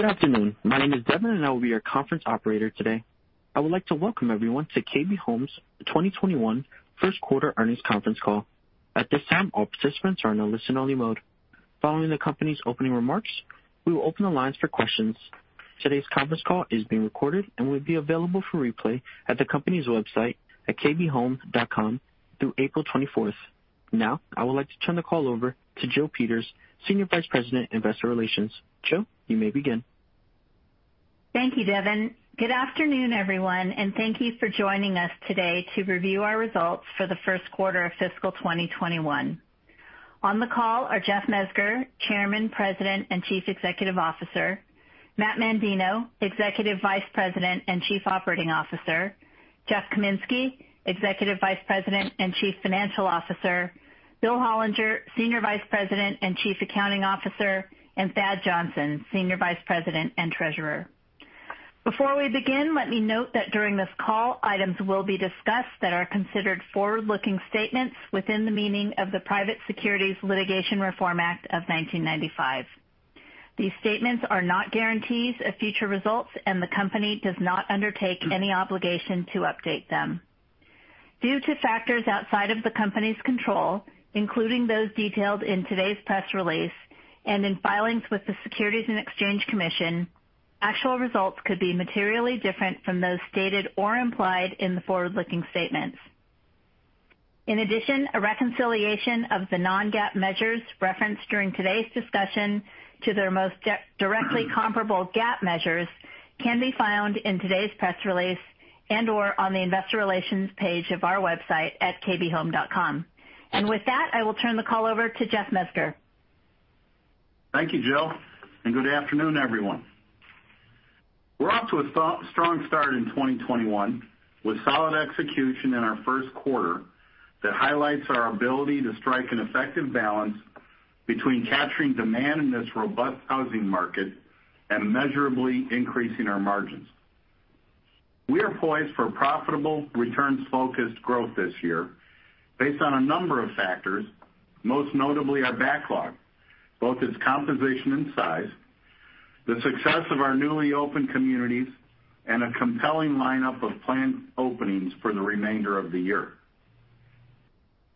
Good afternoon. My name is Devin, and I will be your conference operator today. I would like to welcome everyone to KB Home's 2021 First Quarter Earnings Conference Call. At this time, all participants are in a listen-only mode. Following the company's opening remarks, we will open the lines for questions. Today's conference call is being recorded and will be available for replay at the company's website at kbhome.com through April 24th. Now, I would like to turn the call over to Jill Peters, Senior Vice President, Investor Relations. Jill, you may begin. Thank you, Devin. Good afternoon, everyone, and thank you for joining us today to review our Results For The First Quarter of Fiscal 2021. On the call are Jeff Mezger, Chairman, President, and Chief Executive Officer, Matt Mandino, Executive Vice President and Chief Operating Officer, Jeff Kaminski, Executive Vice President and Chief Financial Officer, Bill Hollinger, Senior Vice President and Chief Accounting Officer, and Thad Johnson, Senior Vice President and Treasurer. Before we begin, let me note that during this call, items will be discussed that are considered forward-looking statements within the meaning of the Private Securities Litigation Reform Act of 1995. These statements are not guarantees of future results, and the company does not undertake any obligation to update them. Due to factors outside of the company's control, including those detailed in today's press release and in filings with the Securities and Exchange Commission, actual results could be materially different from those stated or implied in the forward-looking statements. In addition, a reconciliation of the non-GAAP measures referenced during today's discussion to their most directly comparable GAAP measures can be found in today's press release and/or on the Investor Relations page of our website at kbhome.com, and with that, I will turn the call over to Jeff Mezger. Thank you, Jill, and good afternoon, everyone. We're off to a strong start in 2021 with solid execution in our first quarter that highlights our ability to strike an effective balance between capturing demand in this robust housing market and measurably increasing our margins. We are poised for profitable Returns-Focused Growth this year based on a number of factors, most notably our backlog, both its composition and size, the success of our newly opened communities, and a compelling lineup of planned openings for the remainder of the year.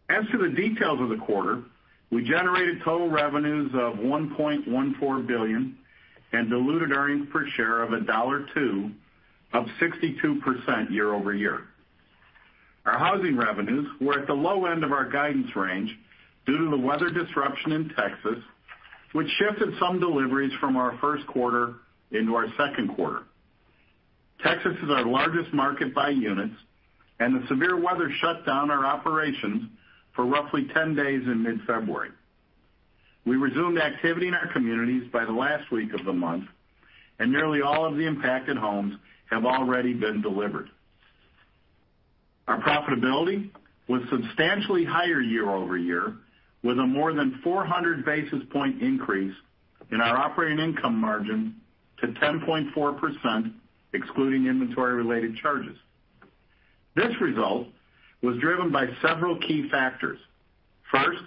As for the details of the quarter, we generated total revenues of $1.14 billion and diluted earnings per share of $1.02, up 62% year-over-year. Our housing revenues were at the low end of our guidance range due to the weather disruption in Texas, which shifted some deliveries from our first quarter into our second quarter. Texas is our largest market by units, and the severe weather shut down our operations for roughly 10 days in mid-February. We resumed activity in our communities by the last week of the month, and nearly all of the impacted homes have already been delivered. Our profitability was substantially higher year-over-year, with a more than 400 basis point increase in our operating income margin to 10.4%, excluding inventory-related charges. This result was driven by several key factors. First,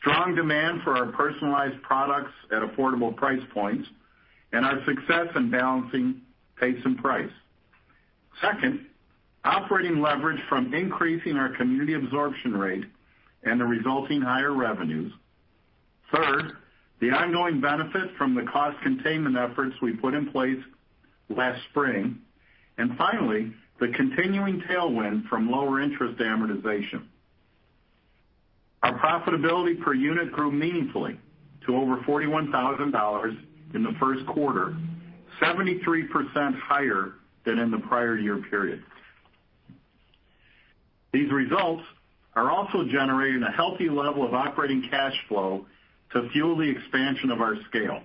strong demand for our personalized products at affordable price points and our success in balancing pace and price. Second, operating leverage from increasing our community absorption rate and the resulting higher revenues. Third, the ongoing benefit from the cost containment efforts we put in place last spring. And finally, the continuing tailwind from lower interest amortization. Our profitability per unit grew meaningfully to over $41,000 in the first quarter, 73% higher than in the prior year period. These results are also generating a healthy level of operating cash flow to fuel the expansion of our scale.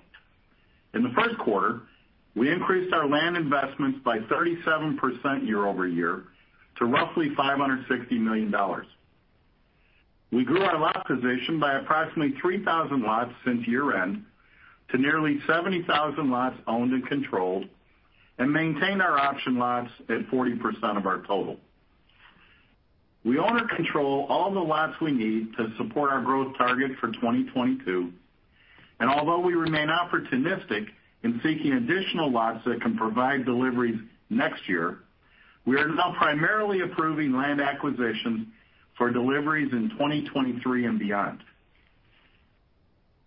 In the first quarter, we increased our land investments by 37% year-over-year to roughly $560 million. We grew our lot position by approximately 3,000 lots since year-end to nearly 70,000 lots owned and controlled and maintained our option lots at 40% of our total. We own or control all the lots we need to support our growth target for 2022, and although we remain opportunistic in seeking additional lots that can provide deliveries next year, we are now primarily approving land acquisitions for deliveries in 2023 and beyond.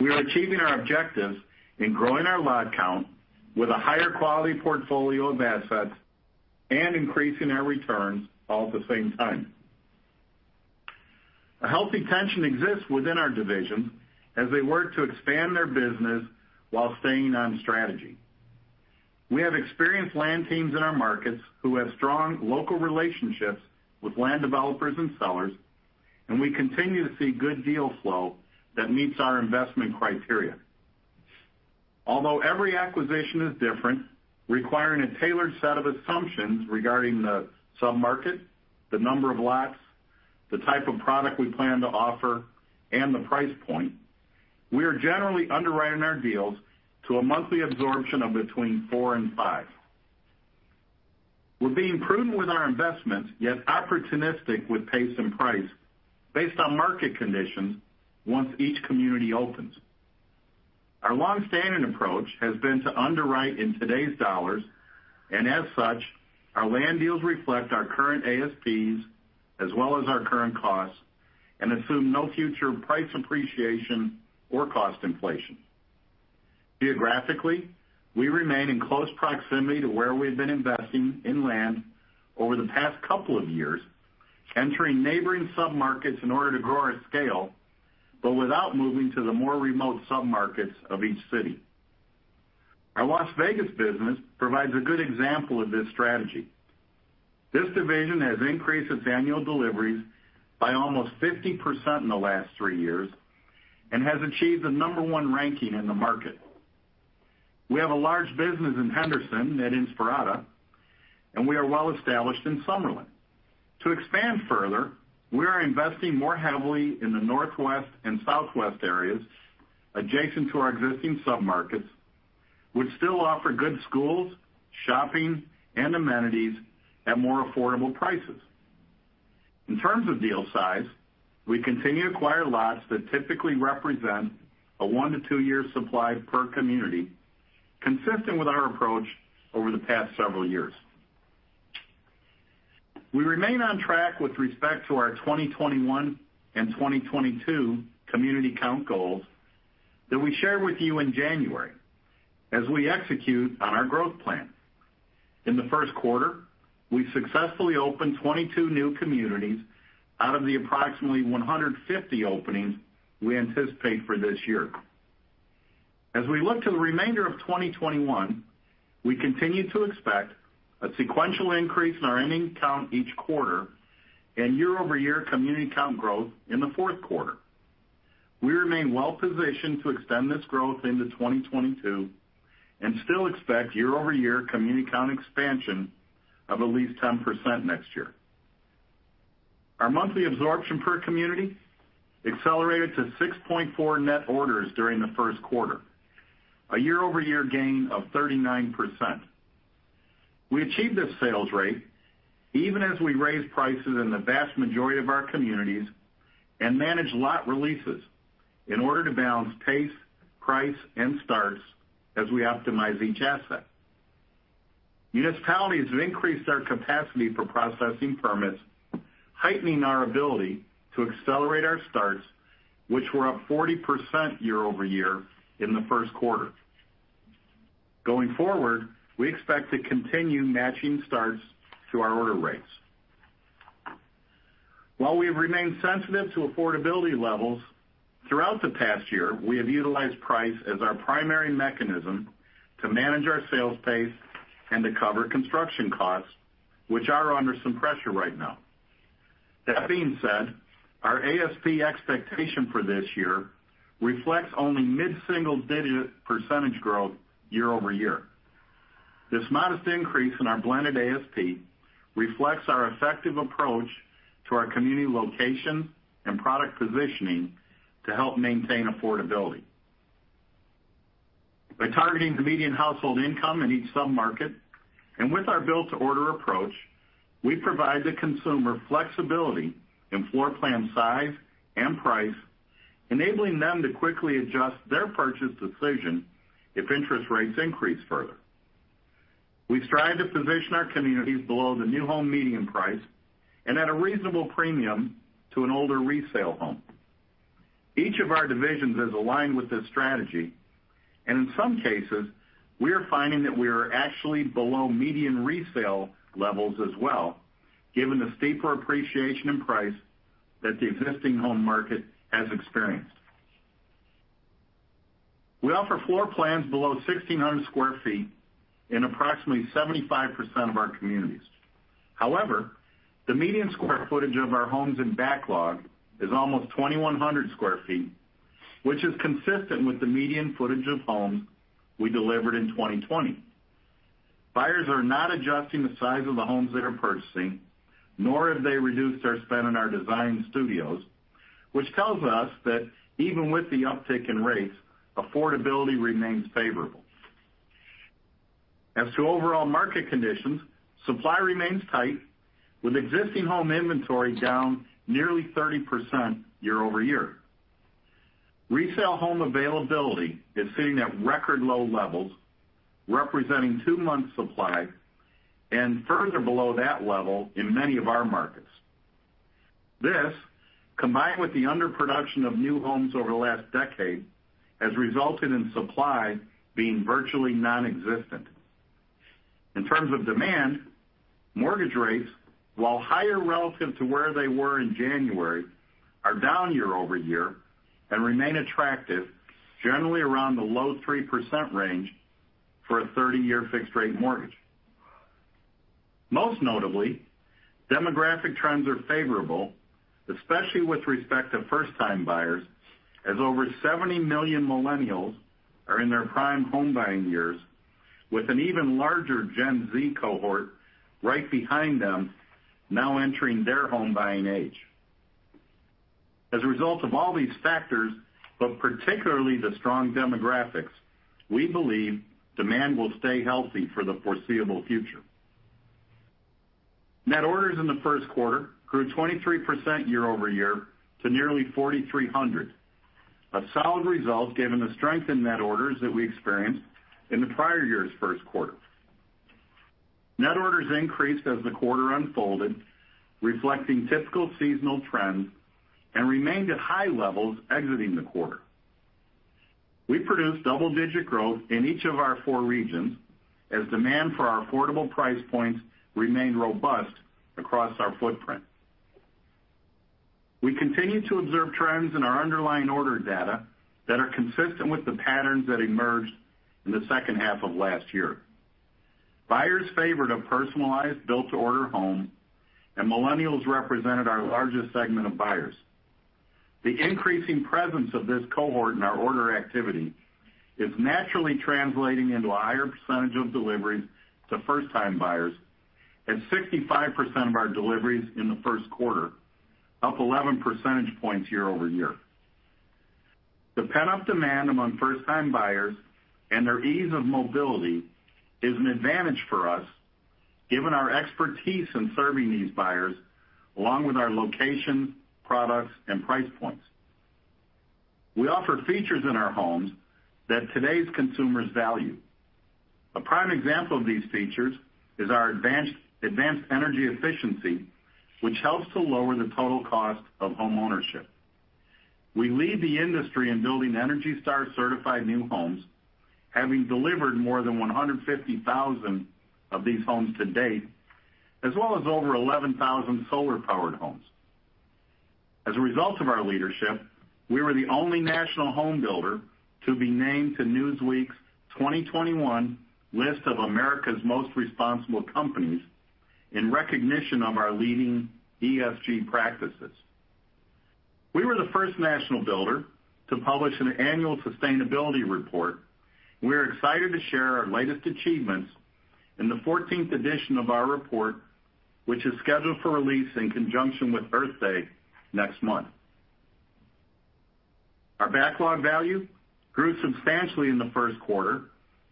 We are achieving our objectives in growing our lot count with a higher quality portfolio of assets and increasing our returns all at the same time. A healthy tension exists within our divisions as they work to expand their business while staying on strategy. We have experienced land teams in our markets who have strong local relationships with land developers and sellers, and we continue to see good deal flow that meets our investment criteria. Although every acquisition is different, requiring a tailored set of assumptions regarding the submarket, the number of lots, the type of product we plan to offer, and the price point, we are generally underwriting our deals to a monthly absorption of between four and five. We're being prudent with our investments, yet opportunistic with pace and price based on market conditions once each community opens. Our long-standing approach has been to underwrite in today's dollars, and as such, our land deals reflect our current ASPs as well as our current costs and assume no future price appreciation or cost inflation. Geographically, we remain in close proximity to where we've been investing in land over the past couple of years, entering neighboring submarkets in order to grow our scale, but without moving to the more remote submarkets of each city. Our Las Vegas business provides a good example of this strategy. This division has increased its annual deliveries by almost 50% in the last three years and has achieved the number one ranking in the market. We have a large business in Henderson at Inspirada, and we are well established in Summerlin. To expand further, we are investing more heavily in the northwest and southwest areas adjacent to our existing submarkets, which still offer good schools, shopping, and amenities at more affordable prices. In terms of deal size, we continue to acquire lots that typically represent a one to two-year supply per community, consistent with our approach over the past several years. We remain on track with respect to our 2021 and 2022 community count goals that we shared with you in January as we execute on our growth plan. In the first quarter, we successfully opened 22 new communities out of the approximately 150 openings we anticipate for this year. As we look to the remainder of 2021, we continue to expect a sequential increase in our ending count each quarter and year-over-year community count growth in the fourth quarter. We remain well positioned to extend this growth into 2022 and still expect year-over-year community count expansion of at least 10% next year. Our monthly absorption per community accelerated to 6.4 net orders during the first quarter, a year-over-year gain of 39%. We achieved this sales rate even as we raised prices in the vast majority of our communities and managed lot releases in order to balance pace, price, and starts as we optimize each asset. Municipalities have increased our capacity for processing permits, heightening our ability to accelerate our starts, which were up 40% year-over-year in the first quarter. Going forward, we expect to continue matching starts to our order rates. While we have remained sensitive to affordability levels, throughout the past year, we have utilized price as our primary mechanism to manage our sales pace and to cover construction costs, which are under some pressure right now. That being said, our ASP expectation for this year reflects only mid-single-digit percentage growth year-over-year. This modest increase in our blended ASP reflects our effective approach to our community location and product positioning to help maintain affordability. By targeting the median household income in each submarket and with our Built to Order approach, we provide the consumer flexibility in floor plan size and price, enabling them to quickly adjust their purchase decision if interest rates increase further. We strive to position our communities below the new home median price and at a reasonable premium to an older resale home. Each of our divisions is aligned with this strategy, and in some cases, we are finding that we are actually below median resale levels as well, given the steeper appreciation in price that the existing home market has experienced. We offer floor plans below 1,600 sq ft in approximately 75% of our communities. However, the median square footage of our homes in backlog is almost 2,100 sq ft, which is consistent with the median footage of homes we delivered in 2020. Buyers are not adjusting the size of the homes they are purchasing, nor have they reduced their spend on our design studios, which tells us that even with the uptick in rates, affordability remains favorable. As to overall market conditions, supply remains tight, with existing home inventory down nearly 30% year-over-year. Resale home availability is sitting at record low levels, representing two-month supply and further below that level in many of our markets. This, combined with the underproduction of new homes over the last decade, has resulted in supply being virtually nonexistent. In terms of demand, mortgage rates, while higher relative to where they were in January, are down year-over-year and remain attractive, generally around the low 3% range for a 30-year fixed-rate mortgage. Most notably, demographic trends are favorable, especially with respect to first-time buyers, as over 70 million millennials are in their prime home-buying years, with an even larger Gen Z cohort right behind them now entering their home-buying age. As a result of all these factors, but particularly the strong demographics, we believe demand will stay healthy for the foreseeable future. Net orders in the first quarter grew 23% year-over-year to nearly 4,300, a solid result given the strength in net orders that we experienced in the prior year's first quarter. Net orders increased as the quarter unfolded, reflecting typical seasonal trends, and remained at high levels exiting the quarter. We produced double-digit growth in each of our four regions as demand for our affordable price points remained robust across our footprint. We continue to observe trends in our underlying order data that are consistent with the patterns that emerged in the second half of last year. Buyers favored a personalized Built to Order home, and millennials represented our largest segment of buyers. The increasing presence of this cohort in our order activity is naturally translating into a higher percentage of deliveries to first-time buyers and 65% of our deliveries in the first quarter, up 11 percentage points year-over-year. The pent-up demand among first-time buyers and their ease of mobility is an advantage for us, given our expertise in serving these buyers along with our locations, products, and price points. We offer features in our homes that today's consumers value. A prime example of these features is our advanced energy efficiency, which helps to lower the total cost of homeownership. We lead the industry in building ENERGY STAR certified new homes, having delivered more than 150,000 of these homes to date, as well as over 11,000 solar-powered homes. As a result of our leadership, we were the only national home builder to be named to Newsweek's 2021 list of America's Most Responsible Companies in recognition of our leading ESG practices. We were the first national builder to publish an annual sustainability report, and we are excited to share our latest achievements in the 14th edition of our report, which is scheduled for release in conjunction with Earth Day next month. Our backlog value grew substantially in the first quarter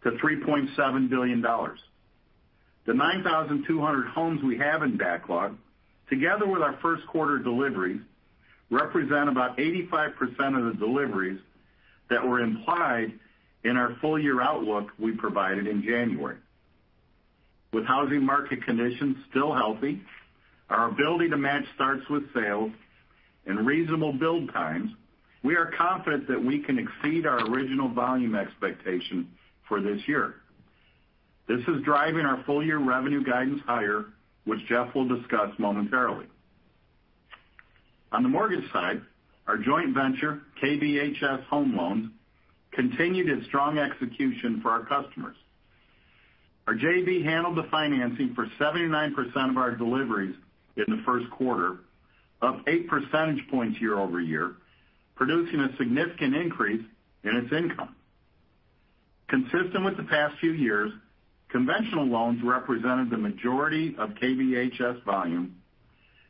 to $3.7 billion. The 9,200 homes we have in backlog, together with our first-quarter deliveries, represent about 85% of the deliveries that were implied in our full-year outlook we provided in January. With housing market conditions still healthy, our ability to match starts with sales, and reasonable build times, we are confident that we can exceed our original volume expectation for this year. This is driving our full-year revenue guidance higher, which Jeff will discuss momentarily. On the mortgage side, our joint venture, KBHS Home Loans, continued its strong execution for our customers. Our JV handled the financing for 79% of our deliveries in the first quarter, up 8 percentage points year-over-year, producing a significant increase in its income. Consistent with the past few years, conventional loans represented the majority of KBHS volume,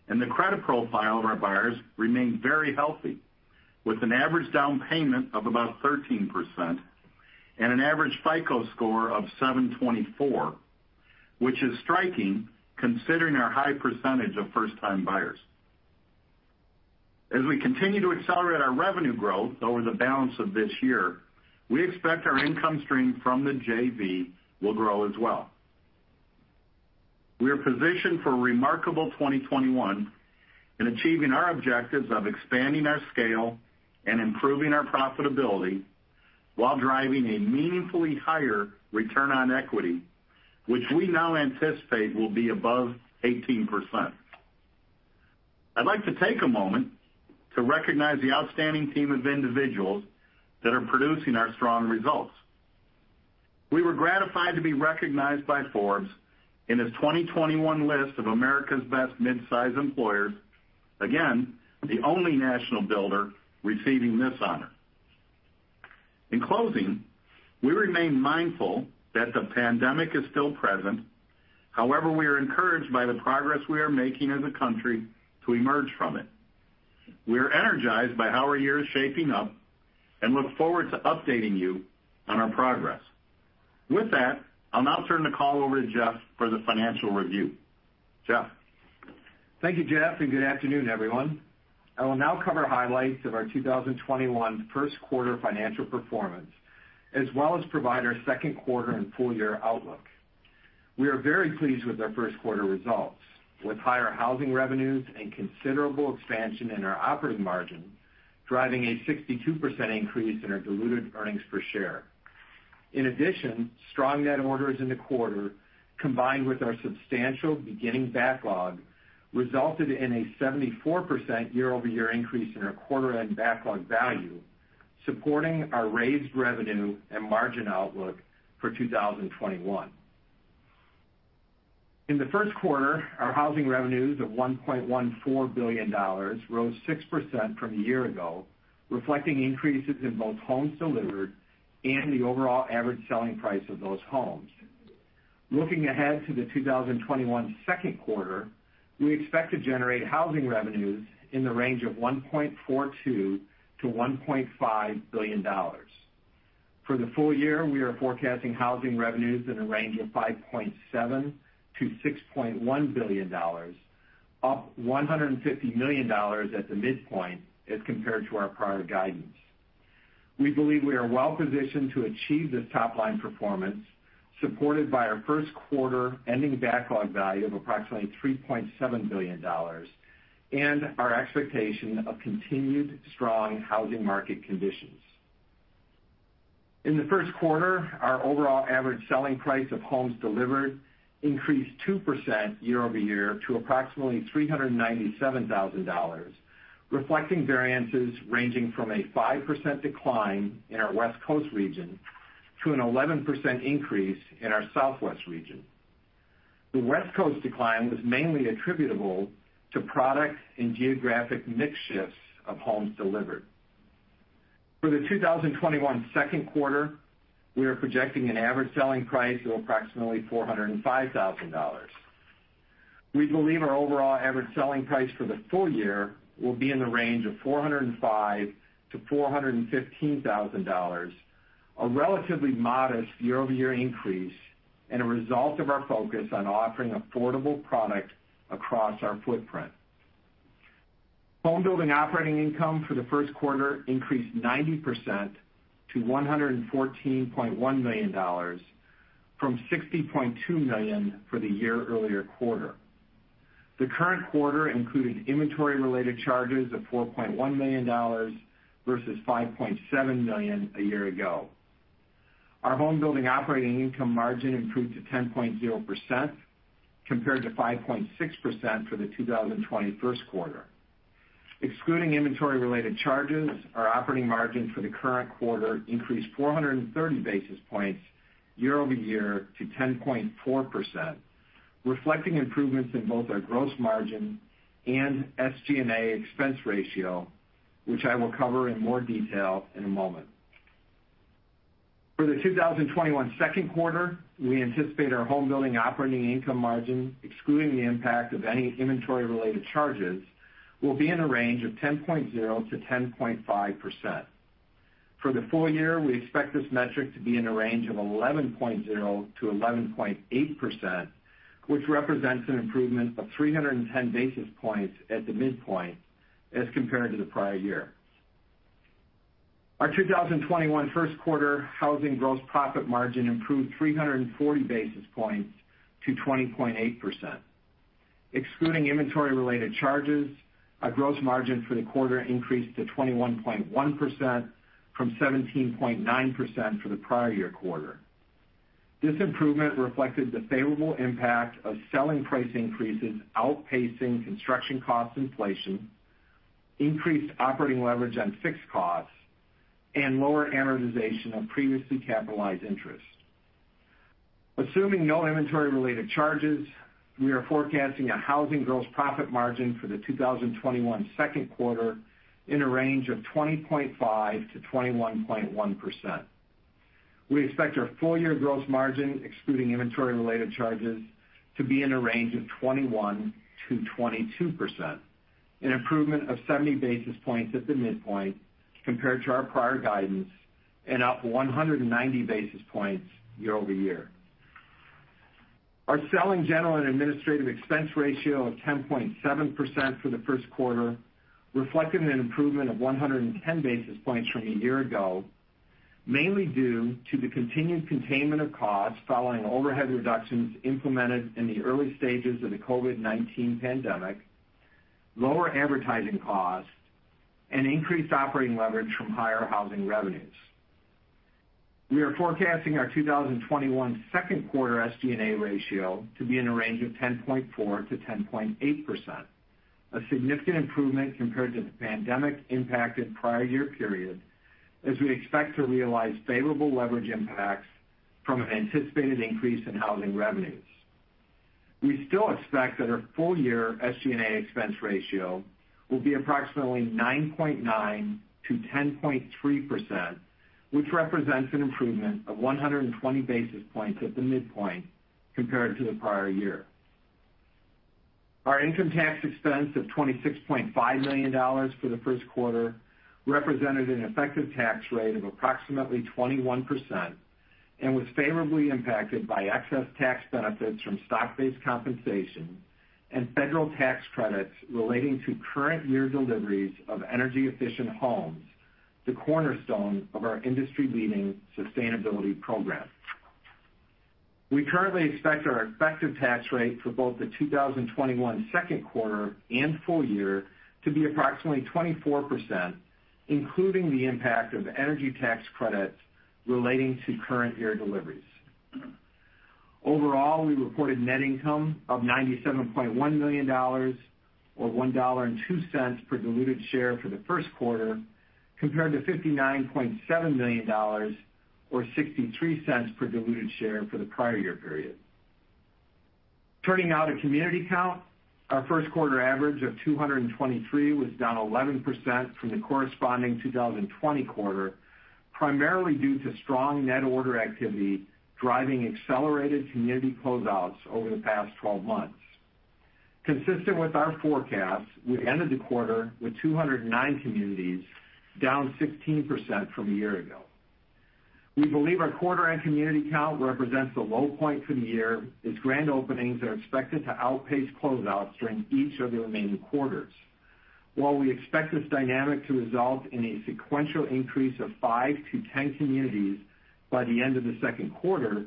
and the credit profile of our buyers remained very healthy, with an average down payment of about 13% and an average FICO score of 724, which is striking considering our high percentage of first-time buyers. As we continue to accelerate our revenue growth over the balance of this year, we expect our income stream from the JV will grow as well. We are positioned for a remarkable 2021 in achieving our objectives of expanding our scale and improving our profitability while driving a meaningfully higher return on equity, which we now anticipate will be above 18%. I'd like to take a moment to recognize the outstanding team of individuals that are producing our strong results. We were gratified to be recognized by Forbes in its 2021 list of America's Best Midsize Employers, again, the only national builder receiving this honor. In closing, we remain mindful that the pandemic is still present, however, we are encouraged by the progress we are making as a country to emerge from it. We are energized by how our year is shaping up and look forward to updating you on our progress. With that, I'll now turn the call over to Jeff for the financial review. Jeff. Thank you, Jeff, and good afternoon, everyone. I will now cover highlights of our 2021 first-quarter financial performance, as well as provide our second quarter and full-year outlook. We are very pleased with our first-quarter results, with higher housing revenues and considerable expansion in our operating margin, driving a 62% increase in our diluted earnings per share. In addition, strong net orders in the quarter, combined with our substantial beginning backlog, resulted in a 74% year-over-year increase in our quarter-end backlog value, supporting our raised revenue and margin outlook for 2021. In the first quarter, our housing revenues of $1.14 billion rose 6% from a year ago, reflecting increases in both homes delivered and the overall average selling price of those homes. Looking ahead to the 2021 second quarter, we expect to generate housing revenues in the range of $1.42-1.5 billion. For the full year, we are forecasting housing revenues in the range of $5.7-6.1 billion, up $150 million at the midpoint as compared to our prior guidance. We believe we are well positioned to achieve this top-line performance, supported by our first-quarter ending backlog value of approximately $3.7 billion and our expectation of continued strong housing market conditions. In the first quarter, our overall average selling price of homes delivered increased 2% year-over-year to approximately $397,000, reflecting variances ranging from a 5% decline in our West Coast region to an 11% increase in our Southwest region. The West Coast decline was mainly attributable to product and geographic mix shifts of homes delivered. For the 2021 second quarter, we are projecting an average selling price of approximately $405,000. We believe our overall average selling price for the full year will be in the range of $405,000-$415,000, a relatively modest year-over-year increase and a result of our focus on offering affordable product across our footprint. Homebuilding operating income for the first quarter increased 90% to $114.1 million from $60.2 million for the year earlier quarter. The current quarter included inventory-related charges of $4.1 million versus $5.7 million a year ago. Our Homebuilding operating income margin improved to 10.0% compared to 5.6% for the 2020 first quarter. Excluding inventory-related charges, our operating margin for the current quarter increased 430 basis points year-over-year to 10.4%, reflecting improvements in both our gross margin and SG&A expense ratio, which I will cover in more detail in a moment. For the 2021 second quarter, we anticipate our Homebuilding operating income margin, excluding the impact of any inventory-related charges, will be in the range of 10.0-10.5%. For the full year, we expect this metric to be in the range of 11.0-11.8%, which represents an improvement of 310 basis points at the midpoint as compared to the prior year. Our 2021 first quarter housing gross profit margin improved 340 basis points to 20.8%. Excluding inventory-related charges, our gross margin for the quarter increased to 21.1% from 17.9% for the prior year quarter. This improvement reflected the favorable impact of selling price increases outpacing construction cost inflation, increased operating leverage on fixed costs, and lower amortization of previously capitalized interest. Assuming no inventory-related charges, we are forecasting a housing gross profit margin for the 2021 second quarter in a range of 20.5-21.1%. We expect our full-year gross margin, excluding inventory-related charges, to be in the range of 21-22%, an improvement of 70 basis points at the midpoint compared to our prior guidance and up 190 basis points year-over-year. Our selling general and administrative expense ratio of 10.7% for the first quarter reflected an improvement of 110 basis points from a year ago, mainly due to the continued containment of costs following overhead reductions implemented in the early stages of the COVID-19 pandemic, lower advertising costs, and increased operating leverage from higher housing revenues. We are forecasting our 2021 second quarter SG&A ratio to be in a range of 10.4-10.8%, a significant improvement compared to the pandemic-impacted prior year period, as we expect to realize favorable leverage impacts from an anticipated increase in housing revenues. We still expect that our full-year SG&A expense ratio will be approximately 9.9-10.3%, which represents an improvement of 120 basis points at the midpoint compared to the prior year. Our income tax expense of $26.5 million for the first quarter represented an effective tax rate of approximately 21% and was favorably impacted by excess tax benefits from stock-based compensation and federal tax credits relating to current-year deliveries of energy-efficient homes, the cornerstone of our industry-leading sustainability program. We currently expect our effective tax rate for both the 2021 second quarter and full year to be approximately 24%, including the impact of energy tax credits relating to current-year deliveries. Overall, we reported net income of $97.1 million, or $1.02 per diluted share for the first quarter, compared to $59.7 million, or $0.63 per diluted share for the prior year period. Turning now to community count, our first-quarter average of 223 was down 11% from the corresponding 2020 quarter, primarily due to strong net order activity driving accelerated community closeouts over the past 12 months. Consistent with our forecast, we ended the quarter with 209 communities, down 16% from a year ago. We believe our quarter-end community count represents a low point for the year, as grand openings are expected to outpace closeouts during each of the remaining quarters. While we expect this dynamic to result in a sequential increase of five to 10 communities by the end of the second quarter,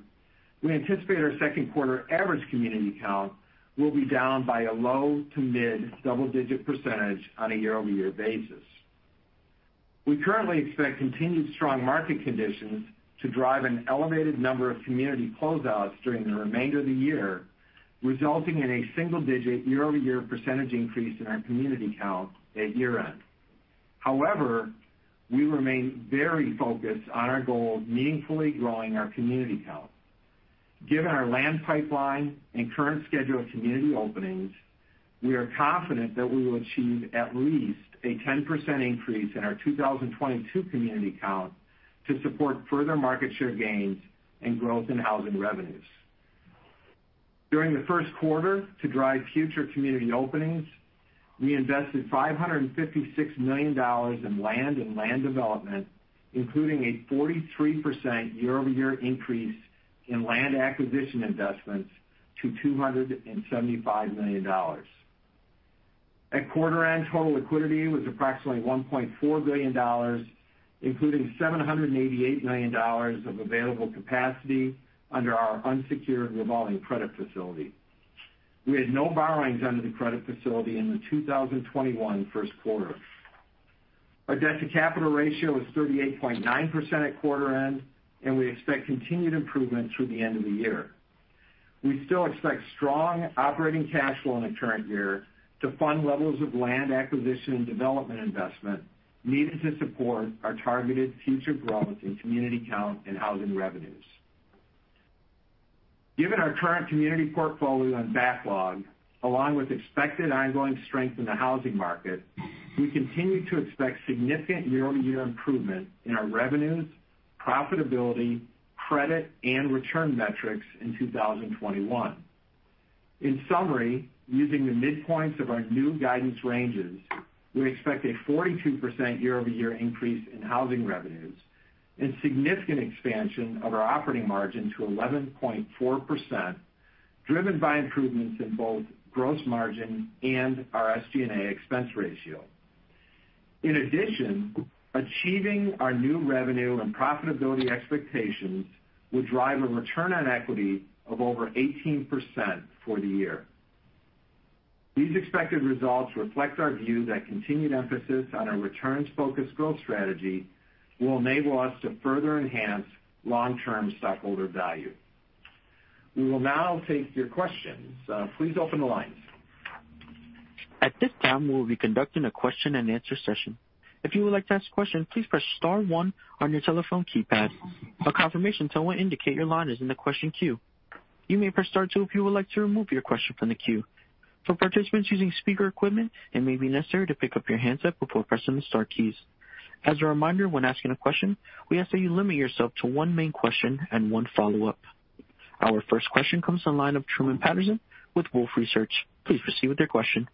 we anticipate our second-quarter average community count will be down by a low to mid double-digit percentage on a year-over-year basis. We currently expect continued strong market conditions to drive an elevated number of community closeouts during the remainder of the year, resulting in a single-digit year-over-year percentage increase in our community count at year-end. However, we remain very focused on our goal of meaningfully growing our community count. Given our land pipeline and current schedule of community openings, we are confident that we will achieve at least a 10% increase in our 2022 community count to support further market share gains and growth in housing revenues. During the first quarter, to drive future community openings, we invested $556 million in land and land development, including a 43% year-over-year increase in land acquisition investments to $275 million. At quarter-end, total liquidity was approximately $1.4 billion, including $788 million of available capacity under our unsecured revolving credit facility. We had no borrowings under the credit facility in the 2021 first quarter. Our debt-to-capital ratio was 38.9% at quarter-end, and we expect continued improvement through the end of the year. We still expect strong operating cash flow in the current year to fund levels of land acquisition and development investment needed to support our targeted future growth in community count and housing revenues. Given our current community portfolio and backlog, along with expected ongoing strength in the housing market, we continue to expect significant year-over-year improvement in our revenues, profitability, credit, and return metrics in 2021. In summary, using the midpoints of our new guidance ranges, we expect a 42% year-over-year increase in housing revenues and significant expansion of our operating margin to 11.4%, driven by improvements in both gross margin and our SG&A expense ratio. In addition, achieving our new revenue and profitability expectations will drive a return on equity of over 18% for the year. These expected results reflect our view that continued emphasis on our Returns-Focused Growth strategy will enable us to further enhance long-term stockholder value. We will now take your questions. Please open the lines. At this time, we will be conducting a question-and-answer session. If you would like to ask a question, please press star one on your telephone keypad. A confirmation tone will indicate your line is in the question queue. You may press star two if you would like to remove your question from the queue. For participants using speaker equipment, it may be necessary to pick up your handset before pressing the star keys. As a reminder, when asking a question, we ask that you limit yourself to one main question and one follow-up. Our first question comes from Truman Patterson with Wolfe Research. Please proceed with your question.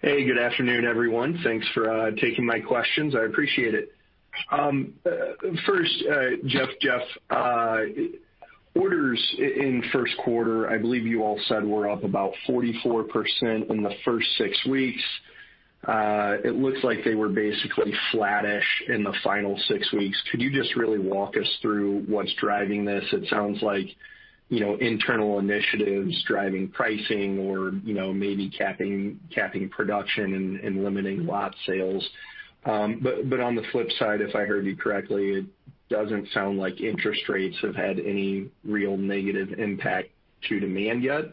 Hey, good afternoon, everyone. Thanks for taking my questions. I appreciate it. First, Jeff, orders in first quarter, I believe you all said, were up about 44% in the first six weeks. It looks like they were basically flattish in the final six weeks. Could you just really walk us through what's driving this? It sounds like internal initiatives driving pricing or maybe capping production and limiting lot sales. But on the flip side, if I heard you correctly, it doesn't sound like interest rates have had any real negative impact to demand yet.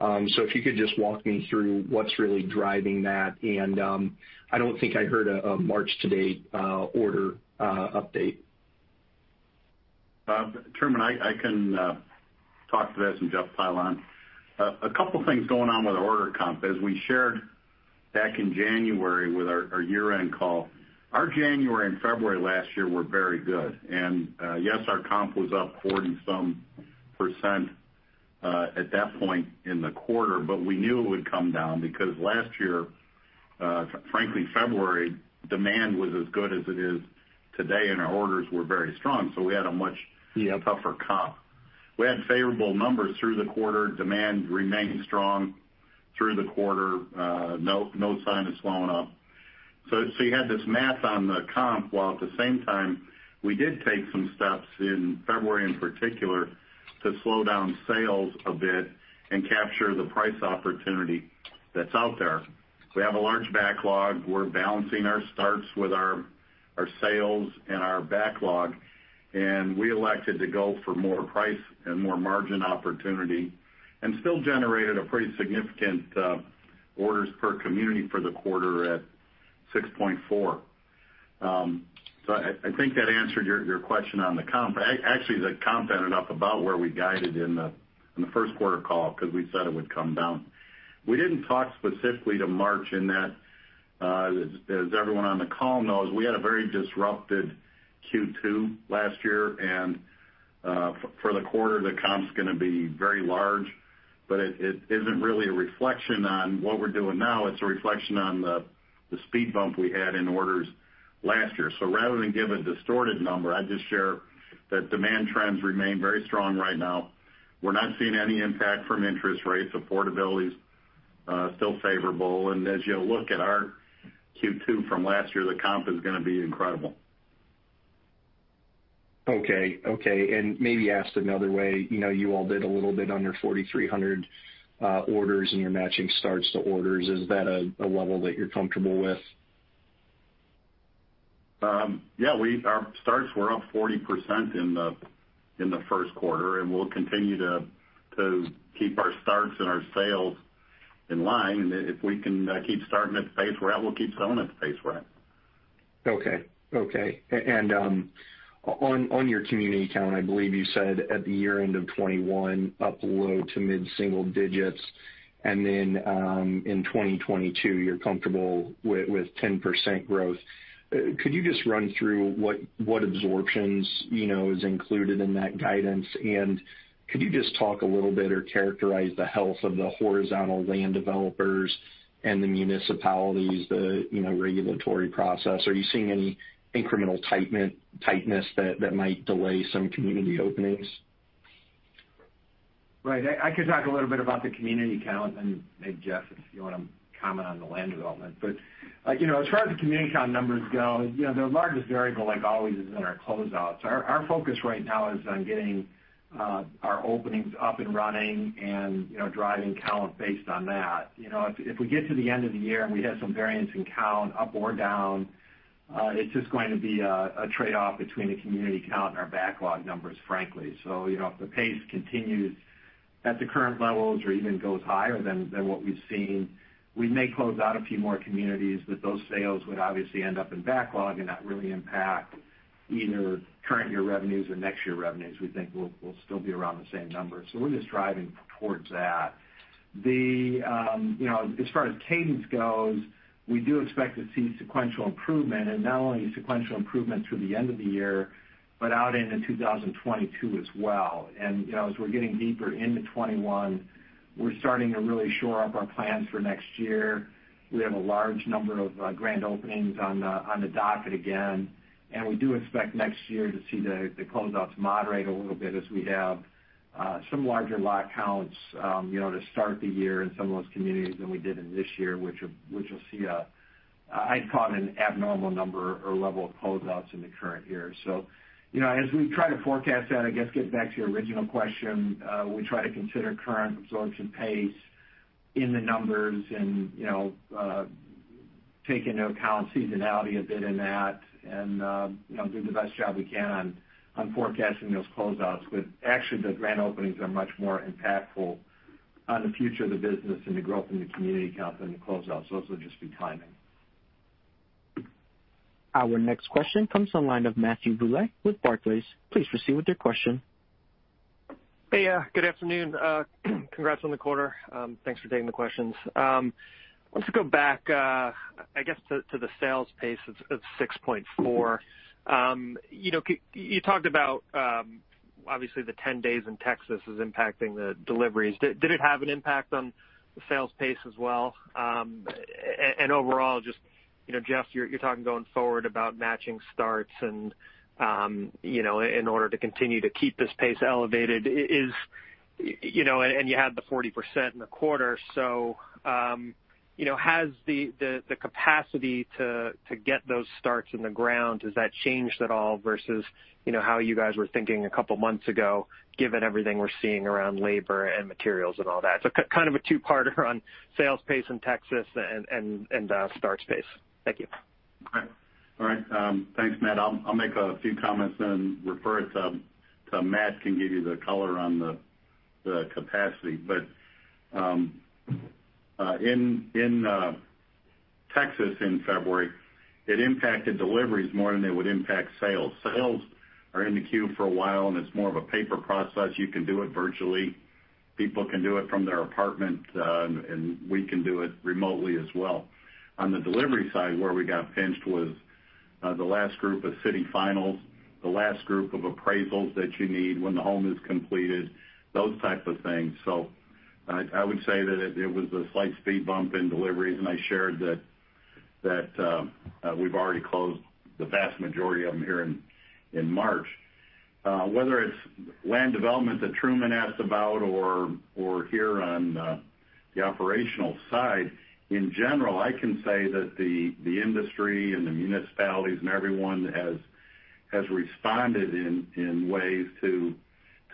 So if you could just walk me through what's really driving that, and I don't think I heard a March-to-date order update. Truman, I can talk to this and jump in on. A couple of things going on with our order comp. As we shared back in January with our year-end call, our January and February last year were very good. And yes, our comp was up 40% at that point in the quarter, but we knew it would come down because last year, frankly, February demand was as good as it is today, and our orders were very strong, so we had a much tougher comp. We had favorable numbers through the quarter. Demand remained strong through the quarter. No sign of slowing up. So you had this math on the comp, while at the same time, we did take some steps in February in particular to slow down sales a bit and capture the price opportunity that's out there. We have a large backlog. We're balancing our starts with our sales and our backlog, and we elected to go for more price and more margin opportunity and still generated a pretty significant orders per community for the quarter at 6.4. So I think that answered your question on the comp. Actually, the comp ended up about where we guided in the first quarter call because we said it would come down. We didn't talk specifically to March in that, as everyone on the call knows, we had a very disrupted Q2 last year. And for the quarter, the comp's going to be very large, but it isn't really a reflection on what we're doing now. It's a reflection on the speed bump we had in orders last year. So rather than give a distorted number, I'd just share that demand trends remain very strong right now. We're not seeing any impact from interest rates. Affordability is still favorable. And as you look at our Q2 from last year, the comp is going to be incredible. Okay. Okay. Maybe asked another way, you all did a little bit under 4,300 orders in your matching starts to orders. Is that a level that you're comfortable with? Yeah. Our starts were up 40% in the first quarter, and we'll continue to keep our starts and our sales in line. If we can keep starting at the pace we're at, we'll keep selling at the pace we're at. Okay. Okay. On your community count, I believe you said at the year-end of 2021, up low- to mid-single digits. Then in 2022, you're comfortable with 10% growth. Could you just run through what absorption is included in that guidance? Could you just talk a little bit or characterize the health of the horizontal land developers and the municipalities, the regulatory process? Are you seeing any incremental tightness that might delay some community openings? Right. I can talk a little bit about the community count and maybe, Jeff, if you want to comment on the land development. But as far as the community count numbers go, the largest variable, like always, is in our closeouts. Our focus right now is on getting our openings up and running and driving count based on that. If we get to the end of the year and we have some variance in count, up or down, it's just going to be a trade-off between the community count and our backlog numbers, frankly. So if the pace continues at the current levels or even goes higher than what we've seen, we may close out a few more communities, but those sales would obviously end up in backlog and not really impact either current-year revenues or next-year revenues. We think we'll still be around the same numbers. We're just driving towards that. As far as cadence goes, we do expect to see sequential improvement, and not only sequential improvement through the end of the year, but out into 2022 as well. And as we're getting deeper into 2021, we're starting to really shore up our plans for next year. We have a large number of grand openings on the docket again. And we do expect next year to see the closeouts moderate a little bit as we have some larger lot counts to start the year in some of those communities than we did in this year, which you'll see. I'd call it an abnormal number or level of closeouts in the current year. So as we try to forecast that, I guess, getting back to your original question, we try to consider current absorption pace in the numbers and take into account seasonality a bit in that and do the best job we can on forecasting those closeouts. But actually, the grand openings are much more impactful on the future of the business and the growth in the community count than the closeouts. Those will just be timing. Our next question comes from Matthew Bouley with Barclays. Please proceed with your question. Hey, yeah. Good afternoon. Congrats on the quarter. Thanks for taking the questions. I want to go back, I guess, to the sales pace of 6.4. You talked about, obviously, the 10 days in Texas is impacting the deliveries. Did it have an impact on the sales pace as well? And overall, just, Jeff, you're talking going forward about matching starts in order to continue to keep this pace elevated and you had the 40% in the quarter. So has the capacity to get those starts in the ground, has that changed at all versus how you guys were thinking a couple of months ago, given everything we're seeing around labor and materials and all that? So kind of a two-parter on sales pace in Texas and starts pace. Thank you. Okay. All right. Thanks, Matt. I'll make a few comments and refer it to Matt can give you the color on the capacity. But in Texas in February, it impacted deliveries more than it would impact sales. Sales are in the queue for a while, and it's more of a paper process. You can do it virtually. People can do it from their apartment, and we can do it remotely as well. On the delivery side, where we got pinched was the last group of city finals, the last group of appraisals that you need when the home is completed, those types of things, so I would say that it was a slight speed bump in deliveries, and I shared that we've already closed the vast majority of them here in March. Whether it's land development that Truman asked about or here on the operational side, in general, I can say that the industry and the municipalities and everyone has responded in ways to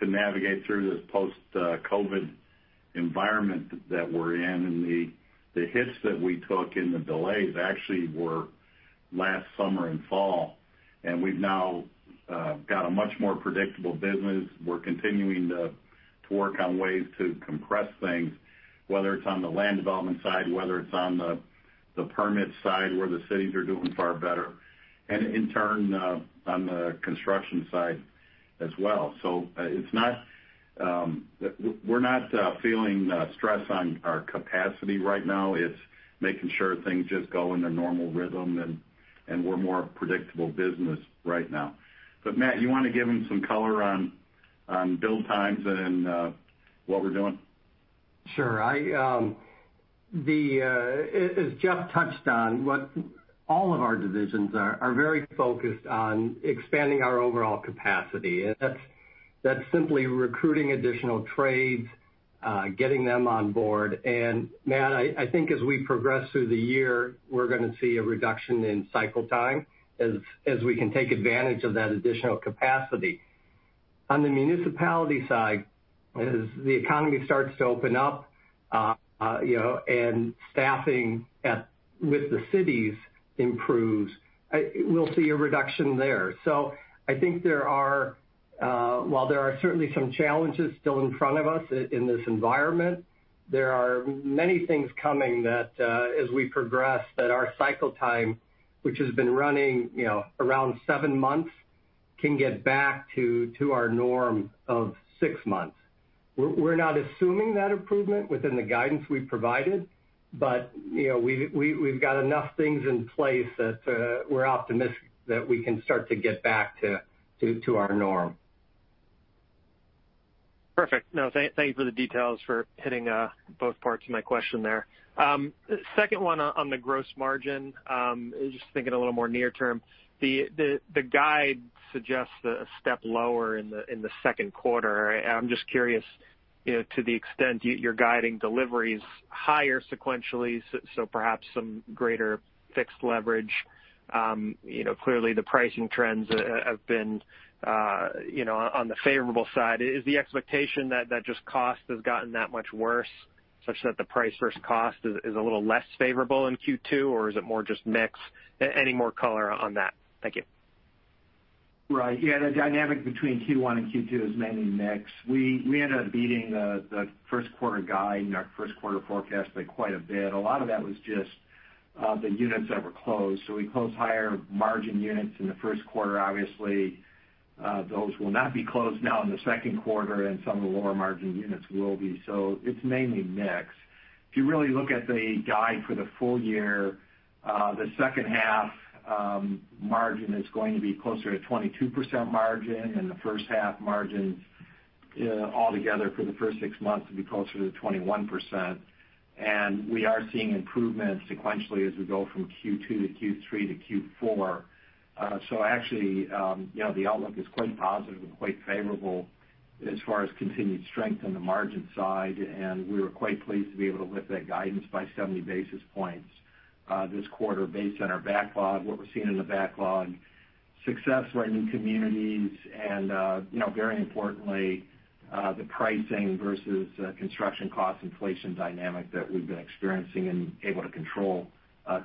navigate through this post-COVID environment that we're in, and the hits that we took in the delays actually were last summer and fall, and we've now got a much more predictable business. We're continuing to work on ways to compress things, whether it's on the land development side, whether it's on the permit side where the cities are doing far better, and in turn, on the construction side as well. So we're not feeling stress on our capacity right now. It's making sure things just go in their normal rhythm, and we're more predictable business right now. But Matt, you want to give them some color on build times and what we're doing? Sure. As Jeff touched on, all of our divisions are very focused on expanding our overall capacity. That's simply recruiting additional trades, getting them on board. And Matt, I think as we progress through the year, we're going to see a reduction in cycle time as we can take advantage of that additional capacity. On the municipality side, as the economy starts to open up and staffing with the cities improves, we'll see a reduction there. So I think there are, while there are certainly some challenges still in front of us in this environment, there are many things coming that, as we progress, that our cycle time, which has been running around seven months, can get back to our norm of six months. We're not assuming that improvement within the guidance we provided, but we've got enough things in place that we're optimistic that we can start to get back to our norm. Perfect. No, thank you for the details for hitting both parts of my question there. Second one on the gross margin, just thinking a little more near-term, the guide suggests a step lower in the second quarter. I'm just curious to the extent you're guiding deliveries higher sequentially, so perhaps some greater fixed leverage. Clearly, the pricing trends have been on the favorable side. Is the expectation that just cost has gotten that much worse, such that the price versus cost is a little less favorable in Q2, or is it more just mix? Any more color on that? Thank you. Right. Yeah. The dynamic between Q1 and Q2 is mainly mix. We ended up beating the first quarter guide and our first quarter forecast by quite a bit. A lot of that was just the units that were closed. So we closed higher margin units in the first quarter. Obviously, those will not be closed now in the second quarter, and some of the lower margin units will be. So it's mainly mix. If you really look at the guide for the full year, the second half margin is going to be closer to 22% margin, and the first half margin altogether for the first six months will be closer to 21%. And we are seeing improvements sequentially as we go from Q2 to Q3 to Q4. So actually, the outlook is quite positive and quite favorable as far as continued strength on the margin side. And we were quite pleased to be able to lift that guidance by 70 basis points this quarter based on our backlog, what we're seeing in the backlog, success for our new communities, and very importantly, the pricing versus construction cost inflation dynamic that we've been experiencing and able to control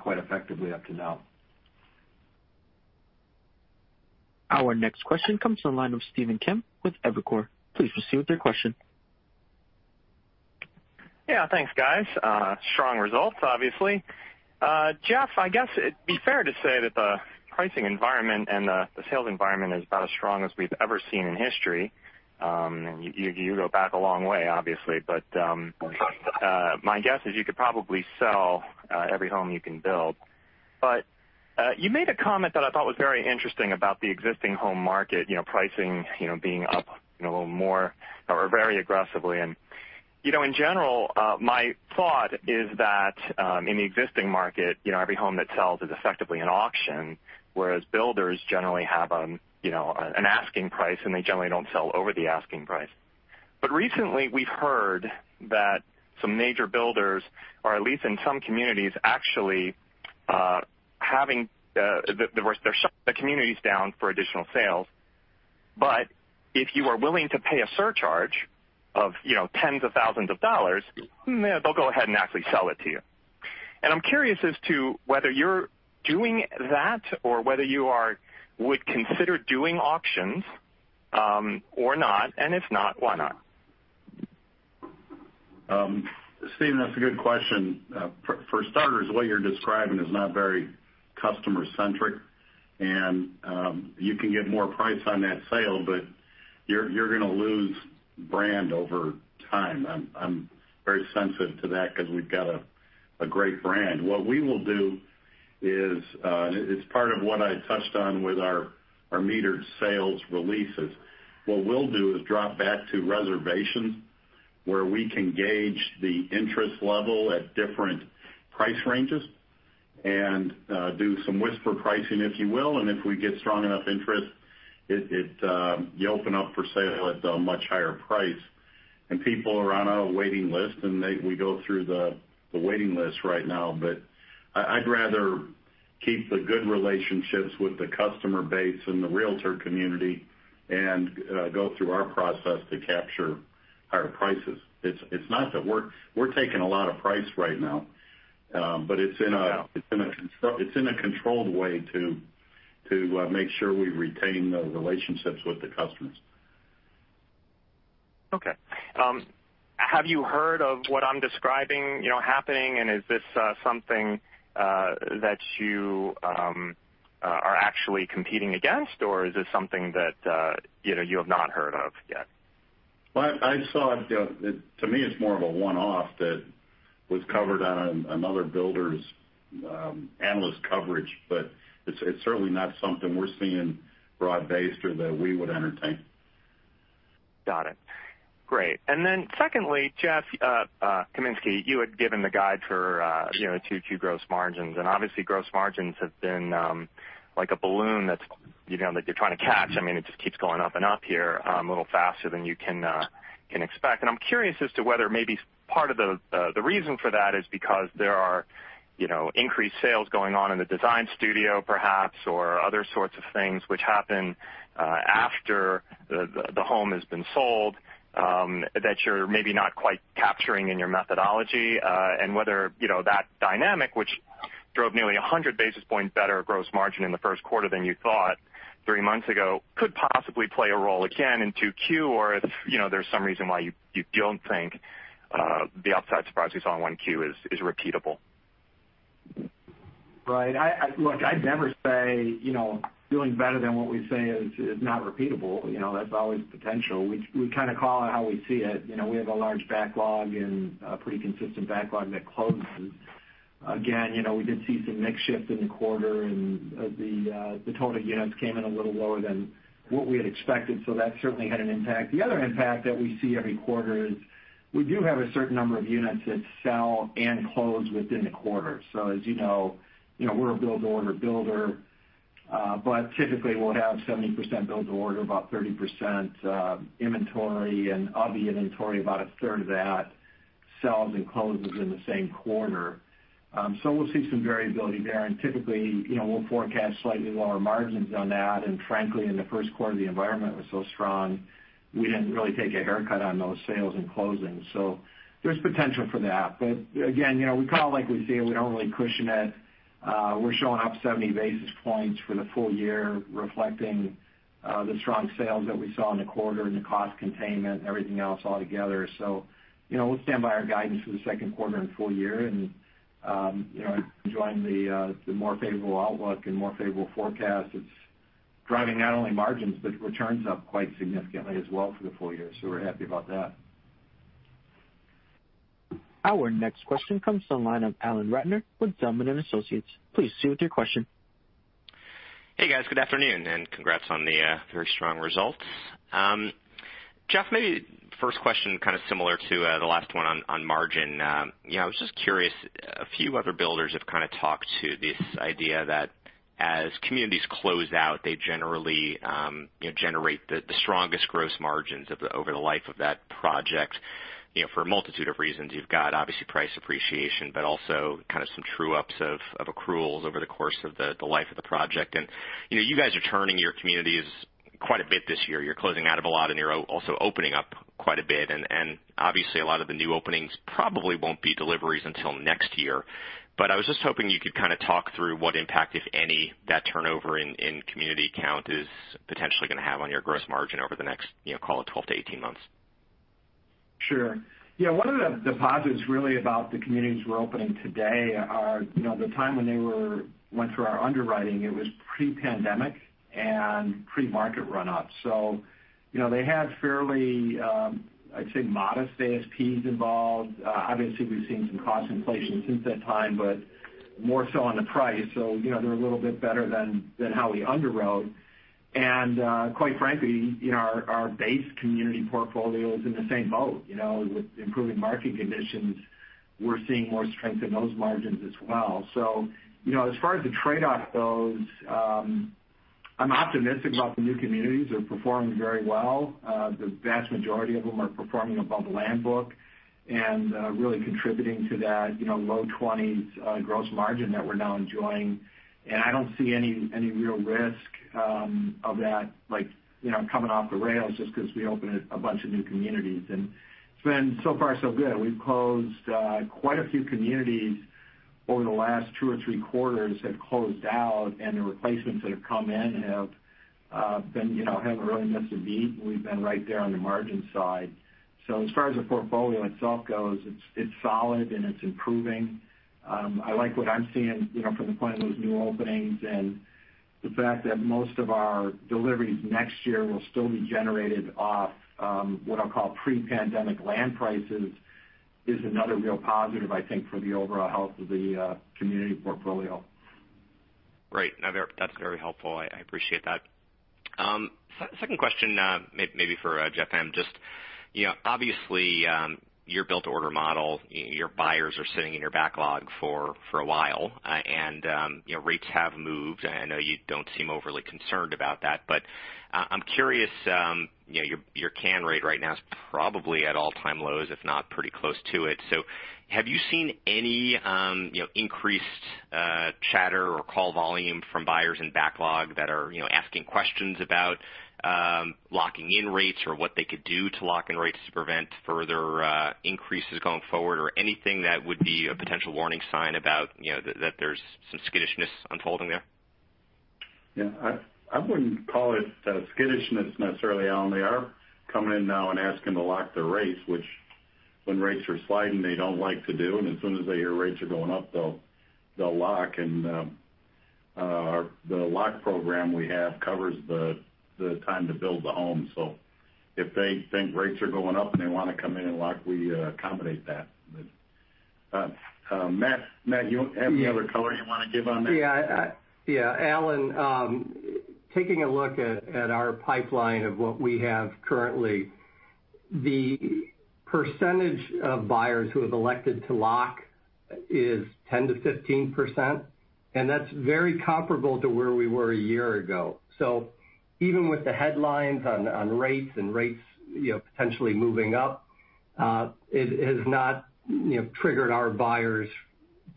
quite effectively up to now. Our next question comes from Stephen Kim with Evercore. Please proceed with your question. Yeah. Thanks, guys. Strong results, obviously. Jeff, it'd be fair to say that the pricing environment and the sales environment is about as strong as we've ever seen in history. And you go back a long way, obviously but my guess is you could probably sell every home you can build. You made a comment that I thought was very interesting about the existing home market, pricing being up a little more or very aggressively. In general, my thought is that in the existing market, every home that sells is effectively an auction, whereas builders generally have an asking price, and they generally don't sell over the asking price but recently, we've heard that some major builders, or at least in some communities, actually having their communities down for additional sales. But if you are willing to pay a surcharge of tens of thousands of dollars, they'll go ahead and actually sell it to you. And I'm curious as to whether you're doing that or whether you would consider doing auctions or not. And if not, why not? Stephen, that's a good question. For starters, what you're describing is not very customer-centric. And you can get more price on that sale, but you're going to lose brand over time. I'm very sensitive to that because we've got a great brand. What we will do is it's part of what I touched on with our metered sales releases. What we'll do is drop back to reservations where we can gauge the interest level at different price ranges and do some whisper pricing, if you will. And if we get strong enough interest, you open up for sale at a much higher price. People are on a waiting list, and we go through the waiting list right now. But I'd rather keep the good relationships with the customer base and the realtor community and go through our process to capture higher prices. It's not that we're taking a lot of price right now, but it's in a controlled way to make sure we retain the relationships with the customers. Okay. Have you heard of what I'm describing happening, and is this something that you are actually competing against, or is this something that you have not heard of yet? I saw it. To me, it's more of a one-off that was covered on another builder's analyst coverage, but it's certainly not something we're seeing broad-based or that we would entertain. Got it. Great. And then secondly, Jeff Kaminski, you had given the guide for Q2 gross margins. Obviously, gross margins have been like a balloon that you're trying to catch. I mean, it just keeps going up and up here a little faster than you can expect. I'm curious as to whether maybe part of the reason for that is because there are increased sales going on in the design studio, perhaps, or other sorts of things which happen after the home has been sold that you're maybe not quite capturing in your methodology. Whether that dynamic, which drove nearly 100 basis points better gross margin in the first quarter than you thought three months ago, could possibly play a role again in Q2 or if there's some reason why you don't think the upside surprise we saw in Q1 is repeatable. Right. Look, I'd never say doing better than what we say is not repeatable. That's always potential. We kind of call it how we see it. We have a large backlog and a pretty consistent backlog that closes. Again, we did see some mixed shift in the quarter, and the total units came in a little lower than what we had expected, so that certainly had an impact. The other impact that we see every quarter is we do have a certain number of units that sell and close within the quarter, so as you know, we're a Built to Order builder, but typically, we'll have 70% Built to Order, about 30% inventory, and of the inventory, about a third of that sells and closes in the same quarter, so we'll see some variability there, and typically, we'll forecast slightly lower margins on that, and frankly, in the first quarter, the environment was so strong, we didn't really take a haircut on those sales and closing, so there's potential for that. Again, we call it like we see it, we don't really cushion it. We're showing up 70 basis points for the full year, reflecting the strong sales that we saw in the quarter and the cost containment and everything else altogether. So we'll stand by our guidance for the second quarter and full year. And enjoying the more favorable outlook and more favorable forecast, it's driving not only margins but returns up quite significantly as well for the full year. So we're happy about that. Our next question comes online from Alan Ratner with Zelman & Associates. Please go ahead with your question. Hey, guys. Good afternoon and congrats on the very strong results. Jeff, maybe first question kind of similar to the last one on margin. I was just curious, a few other builders have kind of talked to this idea that as communities close out, they generally generate the strongest gross margins over the life of that project for a multitude of reasons. You've got, obviously, price appreciation, but also kind of some true-ups of accruals over the course of the life of the project. And you guys are turning your communities quite a bit this year. You're closing out of a lot and you're also opening up quite a bit. And obviously, a lot of the new openings probably won't be deliveries until next year. But I was just hoping you could kind of talk through what impact, if any, that turnover in community count is potentially going to have on your gross margin over the next, call it, 12-18 months. Sure. Yeah. One of the positives really about the communities we're opening today are the time when they went through our underwriting. It was pre-pandemic and pre-market run-up. So they had fairly, I'd say, modest ASPs involved. Obviously, we've seen some cost inflation since that time, but more so on the price. So they're a little bit better than how we underwrote. And quite frankly, our base community portfolio is in the same boat. With improving market conditions, we're seeing more strength in those margins as well. So as far as the trade-off goes, I'm optimistic about the new communities. They're performing very well. The vast majority of them are performing above land book and really contributing to that low 20s gross margin that we're now enjoying. And I don't see any real risk of that coming off the rails just because we opened a bunch of new communities. And it's been so far so good. We've closed quite a few communities over the last two or three quarters, have closed out, and the replacements that have come in haven't really missed a beat. We've been right there on the margin side. So as far as the portfolio itself goes, it's solid, and it's improving. I like what I'm seeing from the point of those new openings. And the fact that most of our deliveries next year will still be generated off what I'll call pre-pandemic land prices is another real positive, I think, for the overall health of the community portfolio. Great. That's very helpful. I appreciate that. Second question, maybe for Jeff Kaminski. Obviously, your Built to Order model, your buyers are sitting in your backlog for a while, and rates have moved. I know you don't seem overly concerned about that, but I'm curious your cancel rate right now is probably at all-time lows, if not pretty close to it. So have you seen any increased chatter or call volume from buyers in backlog that are asking questions about locking in rates or what they could do to lock in rates to prevent further increases going forward or anything that would be a potential warning sign that there's some skittishness unfolding there? Yeah. I wouldn't call it skittishness necessarily. They are coming in now and asking to lock the rates, which when rates are sliding, they don't like to do. And as soon as they hear rates are going up, they'll lock. And the lock program we have covers the time to build the home. So if they think rates are going up and they want to come in and lock, we accommodate that. Matt, you have any other color you want to give on that? Yeah. Yeah. Alan, taking a look at our pipeline of what we have currently, the percentage of buyers who have elected to lock is 10-15%, and that's very comparable to where we were a year ago. So even with the headlines on rates and rates potentially moving up, it has not triggered our buyers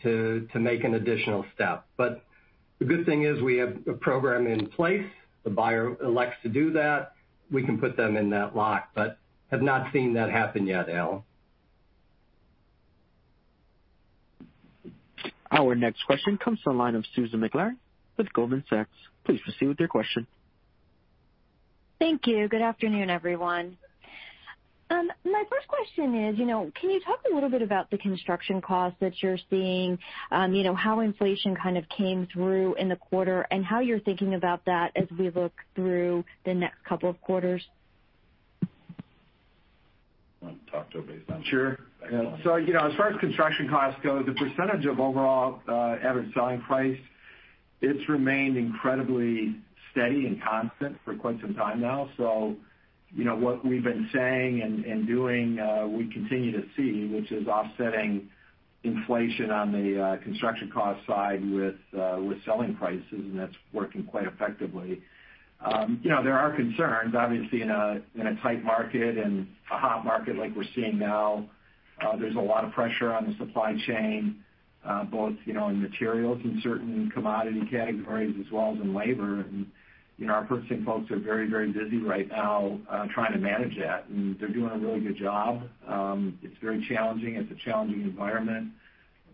to make an additional step. But the good thing is we have a program in place. The buyer elects to do that. We can put them in that lock, but have not seen that happen yet. Our next question comes from Susan Maklari with Goldman Sachs. Please proceed with your question. Thank you. Good afternoon, everyone. My first question is, can you talk a little bit about the construction costs that you're seeing, how inflation kind of came through in the quarter, and how you're thinking about that as we look through the next couple of quarters? Sure. So as far as construction costs go, the percentage of overall average selling price, it's remained incredibly steady and constant for quite some time now. So what we've been saying and doing, we continue to see, which is offsetting inflation on the construction cost side with selling prices, and that's working quite effectively. There are concerns, obviously, in a tight market and a hot market like we're seeing now. There's a lot of pressure on the supply chain, both in materials and certain commodity categories as well as in labor. Our purchasing folks are very, very busy right now trying to manage that, and they're doing a really good job. It's very challenging. It's a challenging environment,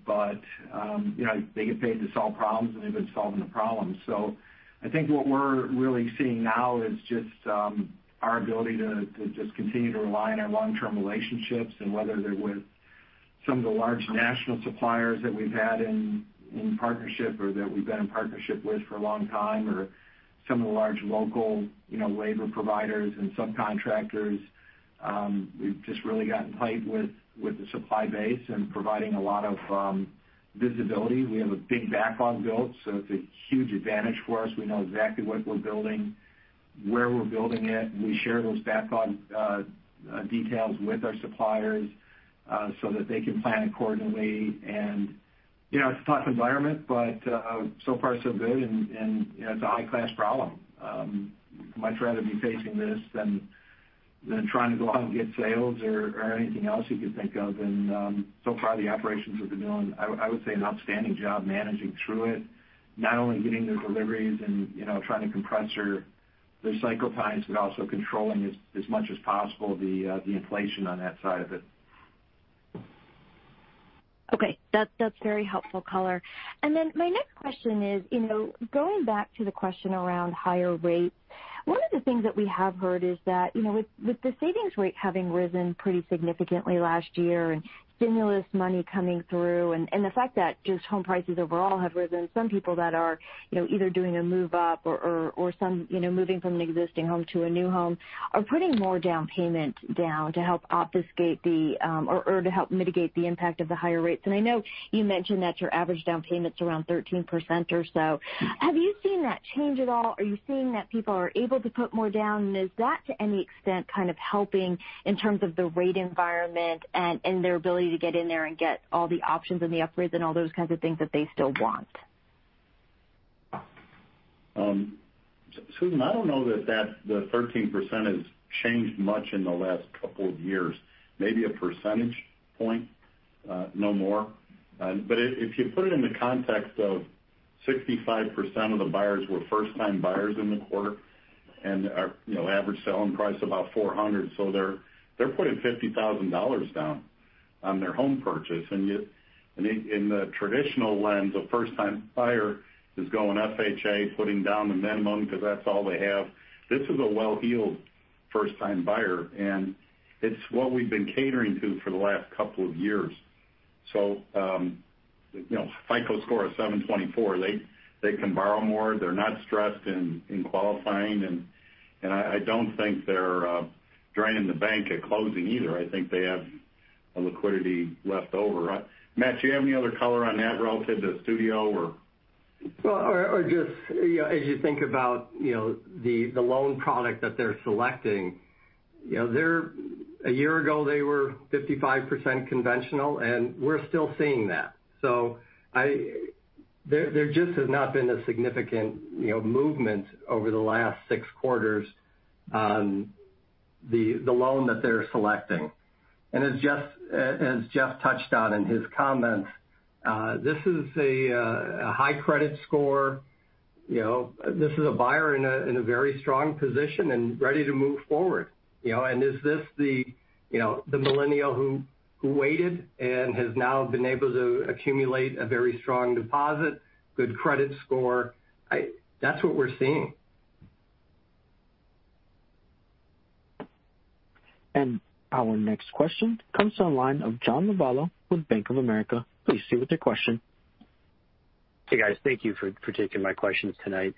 but they get paid to solve problems, and they've been solving the problems. So I think what we're really seeing now is just our ability to just continue to rely on our long-term relationships, whether they're with some of the large national suppliers that we've had in partnership or that we've been in partnership with for a long time or some of the large local labor providers and subcontractors. We've just really gotten tight with the supply base and providing a lot of visibility. We have a big backlog built, so it's a huge advantage for us. We know exactly what we're building, where we're building it. We share those backlog details with our suppliers so that they can plan accordingly. And it's a tough environment, but so far so good, and it's a high-class problem. Much rather be facing this than trying to go out and get sales or anything else you could think of. And so far, the operations have been doing, I would say, an outstanding job managing through it, not only getting their deliveries and trying to compress their cycle times, but also controlling as much as possible the inflation on that side of it. Okay. That's very helpful color. Then my next question is, going back to the question around higher rates, one of the things that we have heard is that with the savings rate having risen pretty significantly last year and stimulus money coming through and the fact that just home prices overall have risen, some people that are either doing a move-up or moving from an existing home to a new home are putting more down payment down to help offset the or to help mitigate the impact of the higher rates. I know you mentioned that your average down payment's around 13% or so. Have you seen that change at all? Are you seeing that people are able to put more down? And is that, to any extent, kind of helping in terms of the rate environment and their ability to get in there and get all the options and the upgrades and all those kinds of things that they still want? Susan, I don't know that the 13% has changed much in the last couple of years. Maybe a percentage point, no more. But if you put it in the context of 65% of the buyers were first-time buyers in the quarter and average selling price about 400, so they're putting $50,000 down on their home purchase. And in the traditional lens, a first-time buyer is going FHA, putting down the minimum because that's all they have. This is a well-heeled first-time buyer, and it's what we've been catering to for the last couple of years. So FICO score is 724. They can borrow more. They're not stressed in qualifying. I don't think they're draining the bank at closing either. I think they have liquidity left over. Matt, do you have any other color on that relative to the studio? Just as you think about the loan product that they're selecting, a year ago, they were 55% conventional, and we're still seeing that. There just has not been a significant movement over the last six quarters on the loan that they're selecting. As Jeff touched on in his comments, this is a high credit score. This is a buyer in a very strong position and ready to move forward. Is this the millennial who waited and has now been able to accumulate a very strong deposit, good credit score? That's what we're seeing. Our next question comes from John Lovallo with Bank of America. Please proceed with your question. Hey, guys. Thank you for taking my questions tonight.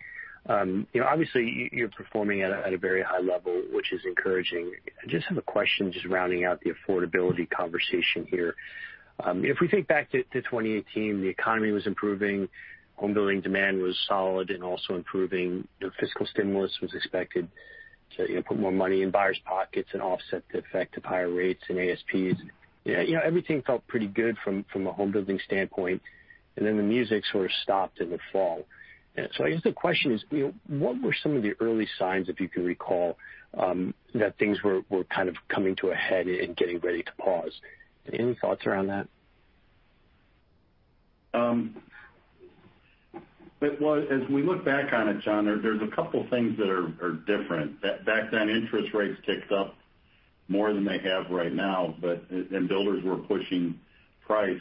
Obviously, you're performing at a very high level, which is encouraging. I just have a question just rounding out the affordability conversation here. If we think back to 2018, the economy was improving. Home building demand was solid and also improving. Fiscal stimulus was expected to put more money in buyers' pockets and offset the effect of higher rates and ASPs. Everything felt pretty good from a home building standpoint, and then the music sort of stopped in the fall. So I guess the question is, what were some of the early signs, if you can recall, that things were kind of coming to a head and getting ready to pause? Any thoughts around that? Well, as we look back on it, John, there's a couple of things that are different. Back then, interest rates ticked up more than they have right now, and builders were pushing price.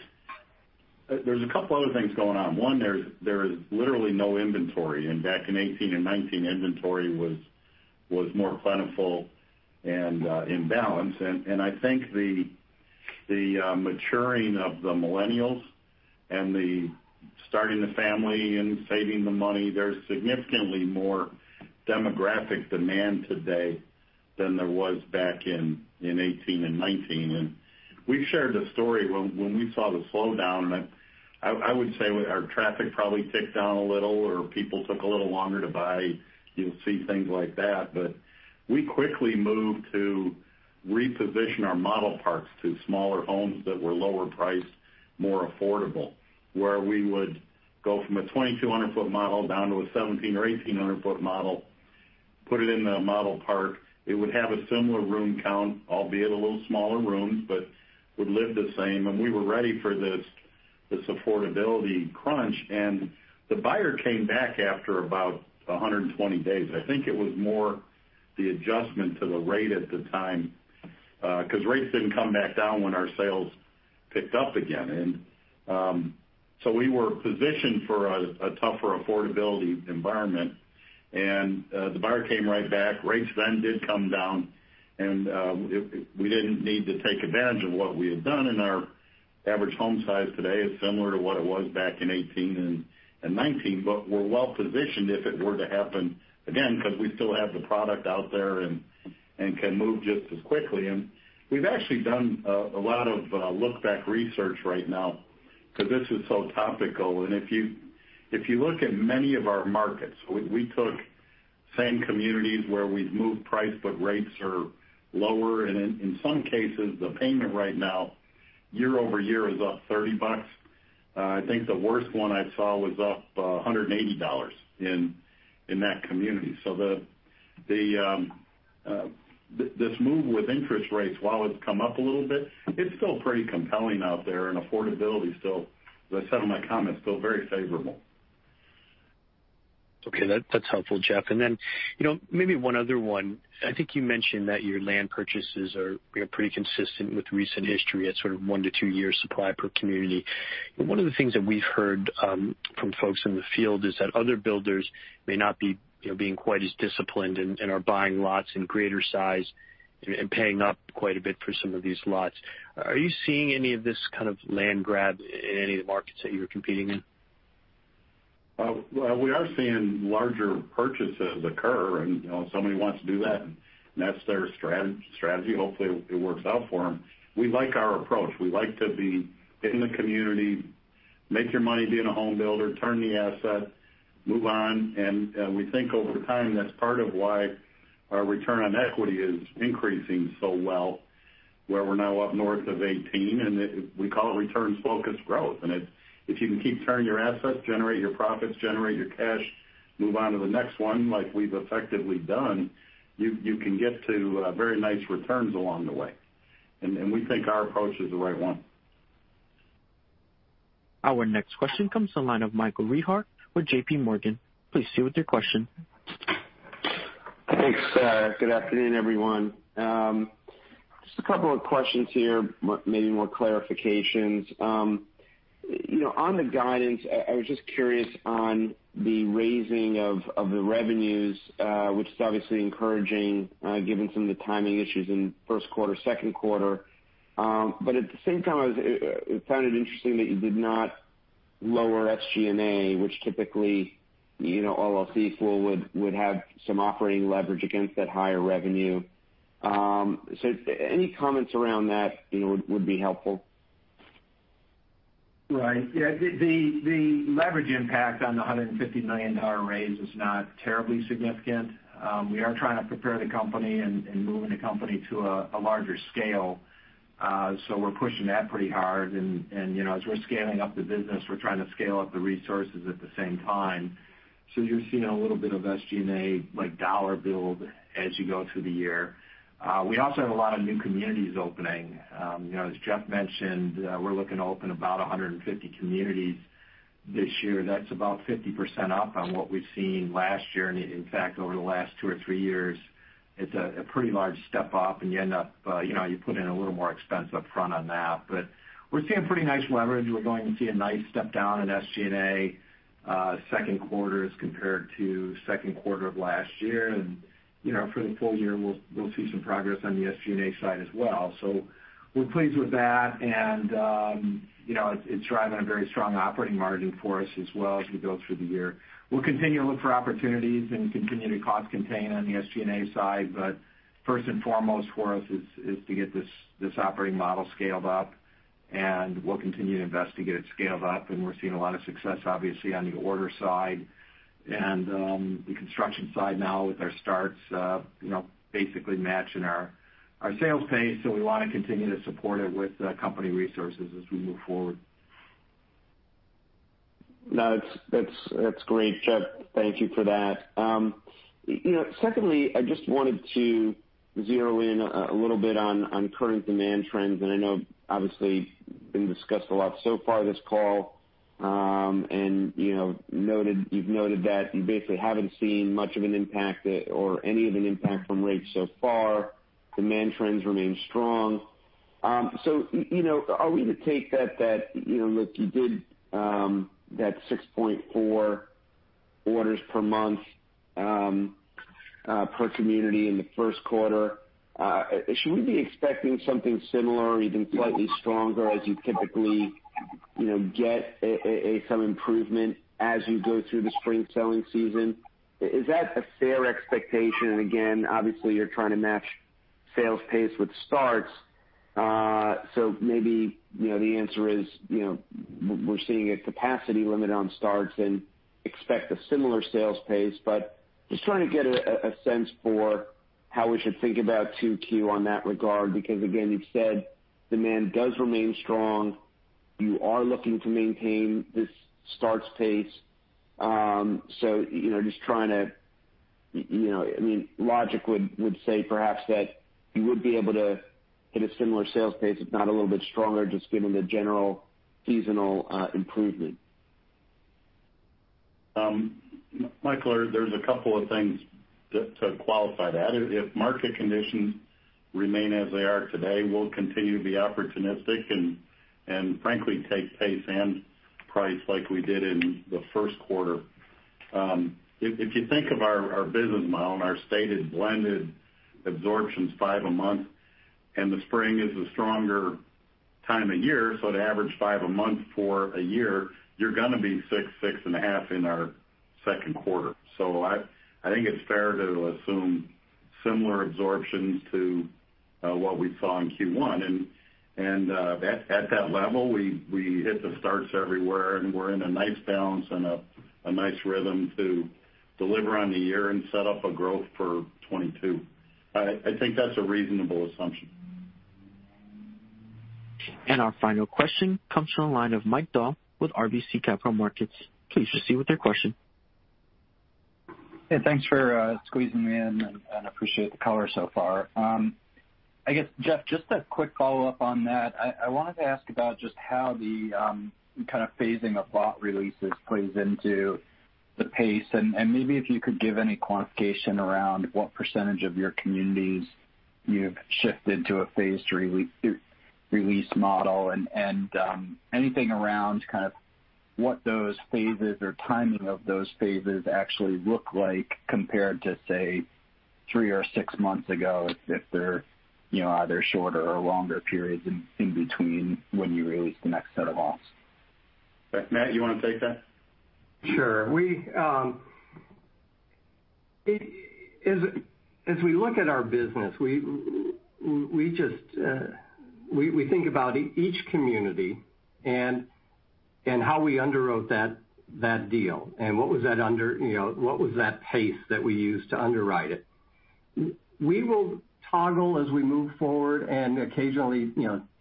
There's a couple of other things going on. One, there is literally no inventory. Back in 2018 and 2019, inventory was more plentiful and in balance, and I think the maturing of the millennials and the starting the family and saving the money, there's significantly more demographic demand today than there was back in 2018 and 2019, and we've shared the story when we saw the slowdown. I would say our traffic probably ticked down a little or people took a little longer to buy. You'll see things like that, but we quickly moved to reposition our model parks to smaller homes that were lower priced, more affordable, where we would go from a 2,200 sq ft model down to a 1,700 sq ft or 1,800 sq ft model, put it in the model park. It would have a similar room count, albeit a little smaller rooms, but would live the same. And we were ready for this affordability crunch. And the buyer came back after about 120 days. I think it was more the adjustment to the rate at the time because rates didn't come back down when our sales picked up again. And so we were positioned for a tougher affordability environment. And the buyer came right back. Rates then did come down, and we didn't need to take advantage of what we had done in our average home size today. It's similar to what it was back in 2018 and 2019, but we're well positioned if it were to happen again because we still have the product out there and can move just as quickly. And we've actually done a lot of look-back research right now because this is so topical. And if you look at many of our markets, we took same communities where we've moved price, but rates are lower. And in some cases, the payment right now, year-over-year, is up $30. I think the worst one I saw was up $180 in that community. So this move with interest rates, while it's come up a little bit, it's still pretty compelling out there. And affordability, as I said in my comments, is still very favorable. Okay. That's helpful, Jeff. And then maybe one other one. I think you mentioned that your land purchases are pretty consistent with recent history at sort of one to two-year supply per community. One of the things that we've heard from folks in the field is that other builders may not be being quite as disciplined and are buying lots in greater size and paying up quite a bit for some of these lots. Are you seeing any of this kind of land grab in any of the markets that you're competing in? Well, we are seeing larger purchases occur, and somebody wants to do that, and that's their strategy. Hopefully, it works out for them. We like our approach. We like to be in the community, make your money being a home builder, turn the asset, move on. And we think over time, that's part of why our return on equity is increasing so well, where we're now up north of 18. And we call it Returns-Focused Growth. And if you can keep turning your assets, generate your profits, generate your cash, move on to the next one, like we've effectively done, you can get to very nice returns along the way. And we think our approach is the right one. Our next question comes from Michael Rehaut with JPMorgan. Please proceed with your question. Thanks. Good afternoon, everyone. Just a couple of questions here, maybe more clarifications. On the guidance, I was just curious on the raising of the revenues, which is obviously encouraging given some of the timing issues in first quarter, second quarter. But at the same time, it sounded interesting that you did not lower SG&A, which typically all builders would have some operating leverage against that higher revenue. So any comments around that would be helpful? Right. Yeah. The leverage impact on the $150 million raise is not terribly significant. We are trying to prepare the company and move the company to a larger scale. So we're pushing that pretty hard. And as we're scaling up the business, we're trying to scale up the resources at the same time. So you're seeing a little bit of SG&A dollar build as you go through the year. We also have a lot of new communities opening. As Jeff mentioned, we're looking to open about 150 communities this year. That's about 50% up on what we've seen last year. And in fact, over the last two or three years, it's a pretty large step up, and you end up putting in a little more expense upfront on that. But we're seeing pretty nice leverage. We're going to see a nice step down in SG&A second quarter as compared to second quarter of last year. And for the full year, we'll see some progress on the SG&A side as well. So we're pleased with that, and it's driving a very strong operating margin for us as well as we go through the year. We'll continue to look for opportunities and continue to cost-contain on the SG&A side. But first and foremost for us is to get this operating model scaled up, and we'll continue to investigate it, scale it up. And we're seeing a lot of success, obviously, on the order side and the construction side now with our starts basically matching our sales pace. So we want to continue to support it with company resources as we move forward. No, that's great, Jeff. Thank you for that. Secondly, I just wanted to zero in a little bit on current demand trends. And I know, obviously, we've been discussed a lot so far this call. You've noted that you basically haven't seen much of an impact or any of an impact from rates so far. Demand trends remain strong. Are we to take that, "Look, you did that 6.4 orders per month per community in the first quarter," should we be expecting something similar, even slightly stronger, as you typically get some improvement as you go through the spring selling season? Is that a fair expectation? Again, obviously, you're trying to match sales pace with starts. Maybe the answer is we're seeing a capacity limit on starts and expect a similar sales pace. Just trying to get a sense for how we should think about 2Q on that regard because, again, you've said demand does remain strong. You are looking to maintain this starts pace. So just trying to, I mean, logic would say perhaps that you would be able to hit a similar sales pace, if not a little bit stronger, just given the general seasonal improvement. Michael, there's a couple of things to qualify that. If market conditions remain as they are today, we'll continue to be opportunistic and, frankly, take pace and price like we did in the first quarter. If you think of our business model and our stated blended absorptions, five a month, and the spring is a stronger time of year, so an average five a month for a year, you're going to be six, six and a half in our second quarter. So I think it's fair to assume similar absorptions to what we saw in Q1. And at that level, we hit the starts everywhere, and we're in a nice balance and a nice rhythm to deliver on the year and set up a growth for 2022. I think that's a reasonable assumption. And our final question comes from the line of Mike Dahl with RBC Capital Markets. Please proceed with your question. Hey, thanks for squeezing me in, and I appreciate the color so far. I guess, Jeff, just a quick follow-up on that. I wanted to ask about just how the kind of phasing of lot releases plays into the pace. Maybe if you could give any quantification around what percentage of your communities you've shifted to a phased release model and anything around kind of what those phases or timing of those phases actually look like compared to, say, three or six months ago, if they're either shorter or longer periods in between when you release the next set of lots. Matt, you want to take that? Sure. As we look at our business, we think about each community and how we underwrote that deal and what was that pace that we used to underwrite it. We will toggle as we move forward and occasionally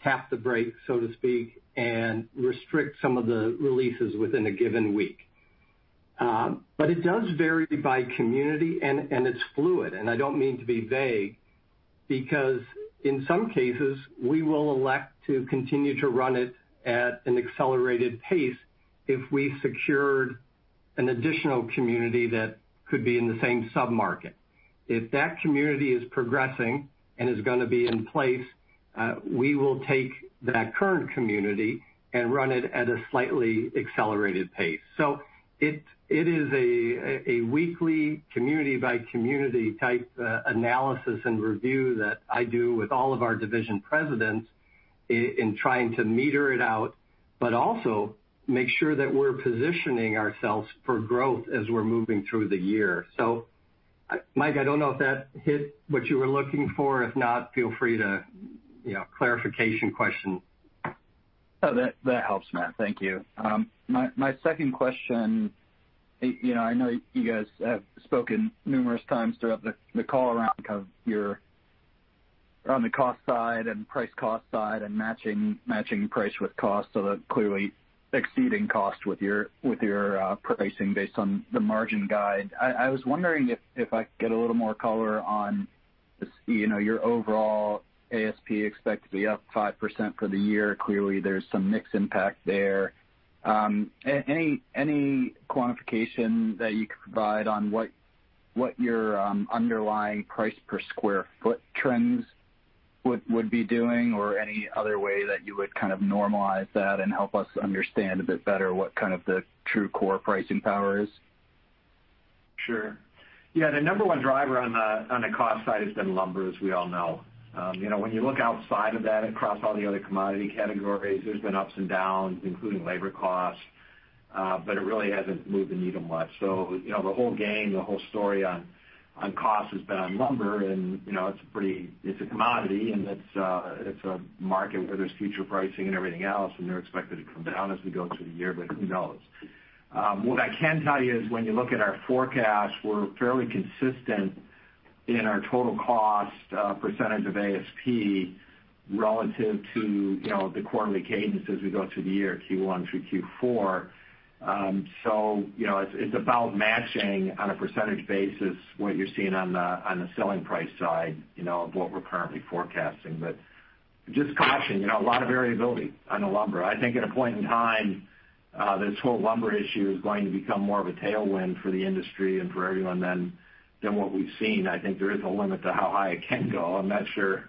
tap the brake, so to speak, and restrict some of the releases within a given week. But it does vary by community, and it's fluid, I don't mean to be vague because, in some cases, we will elect to continue to run it at an accelerated pace if we secured an additional community that could be in the same submarket. If that community is progressing and is going to be in place, we will take that current community and run it at a slightly accelerated pace. It is a weekly community-by-community type analysis and review that I do with all of our division presidents in trying to meter it out, but also make sure that we're positioning ourselves for growth as we're moving through the year. Mike, I don't know if that hit what you were looking for. If not, feel free to clarification question. That helps, Matt. Thank you. My second question, I know you guys have spoken numerous times throughout the call around kind of you're on the cost side and price-cost side and matching price with cost, so clearly exceeding cost with your pricing based on the margin guide. I was wondering if I could get a little more color on your overall ASP expected to be up 5% for the year. Clearly, there's some mix impact there. Any quantification that you could provide on what your underlying price per square foot trends would be doing or any other way that you would kind of normalize that and help us understand a bit better what kind of the true core pricing power is? Sure. Yeah. The number one driver on the cost side has been lumber, as we all know. When you look outside of that, across all the other commodity categories, there's been ups and downs, including labor costs, but it really hasn't moved the needle much. So the whole game, the whole story on cost has been on lumber, and it's a commodity, and it's a market where there's future pricing and everything else, and they're expected to come down as we go through the year but who knows? What I can tell you is when you look at our forecast, we're fairly consistent in our total cost percentage of ASP relative to the quarterly cadence as we go through the year, Q1 through Q4. So it's about matching on a percentage basis what you're seeing on the selling price side of what we're currently forecasting. But just caution, a lot of variability on the lumber. I think at a point in time, this whole lumber issue is going to become more of a tailwind for the industry and for everyone than what we've seen. I think there is a limit to how high it can go. I'm not sure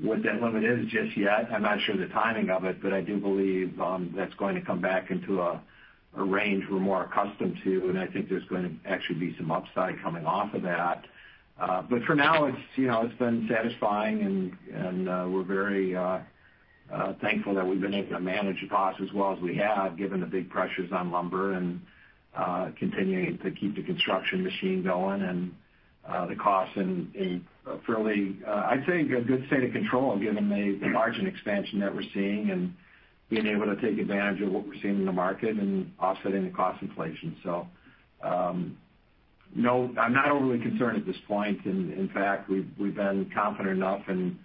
what that limit is just yet. I'm not sure the timing of it, but I do believe that's going to come back into a range we're more accustomed to. And I think there's going to actually be some upside coming off of that. But for now, it's been satisfying, and we're very thankful that we've been able to manage the cost as well as we have, given the big pressures on lumber and continuing to keep the construction machine going and the cost in a fairly, I'd say, a good state of control given the margin expansion that we're seeing and being able to take advantage of what we're seeing in the market and offsetting the cost inflation. I'm not overly concerned at this point. And in fact, we've been confident enough and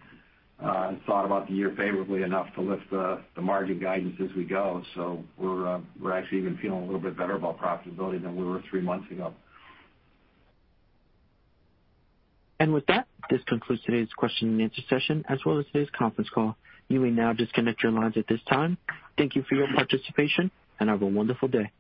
thought about the year favorably enough to lift the margin guidance as we go. So we're actually even feeling a little bit better about profitability than we were three months ago. And with that, this concludes today's question and answer session as well as today's conference call. You may now disconnect your lines at this time. Thank you for your participation, and have a wonderful day.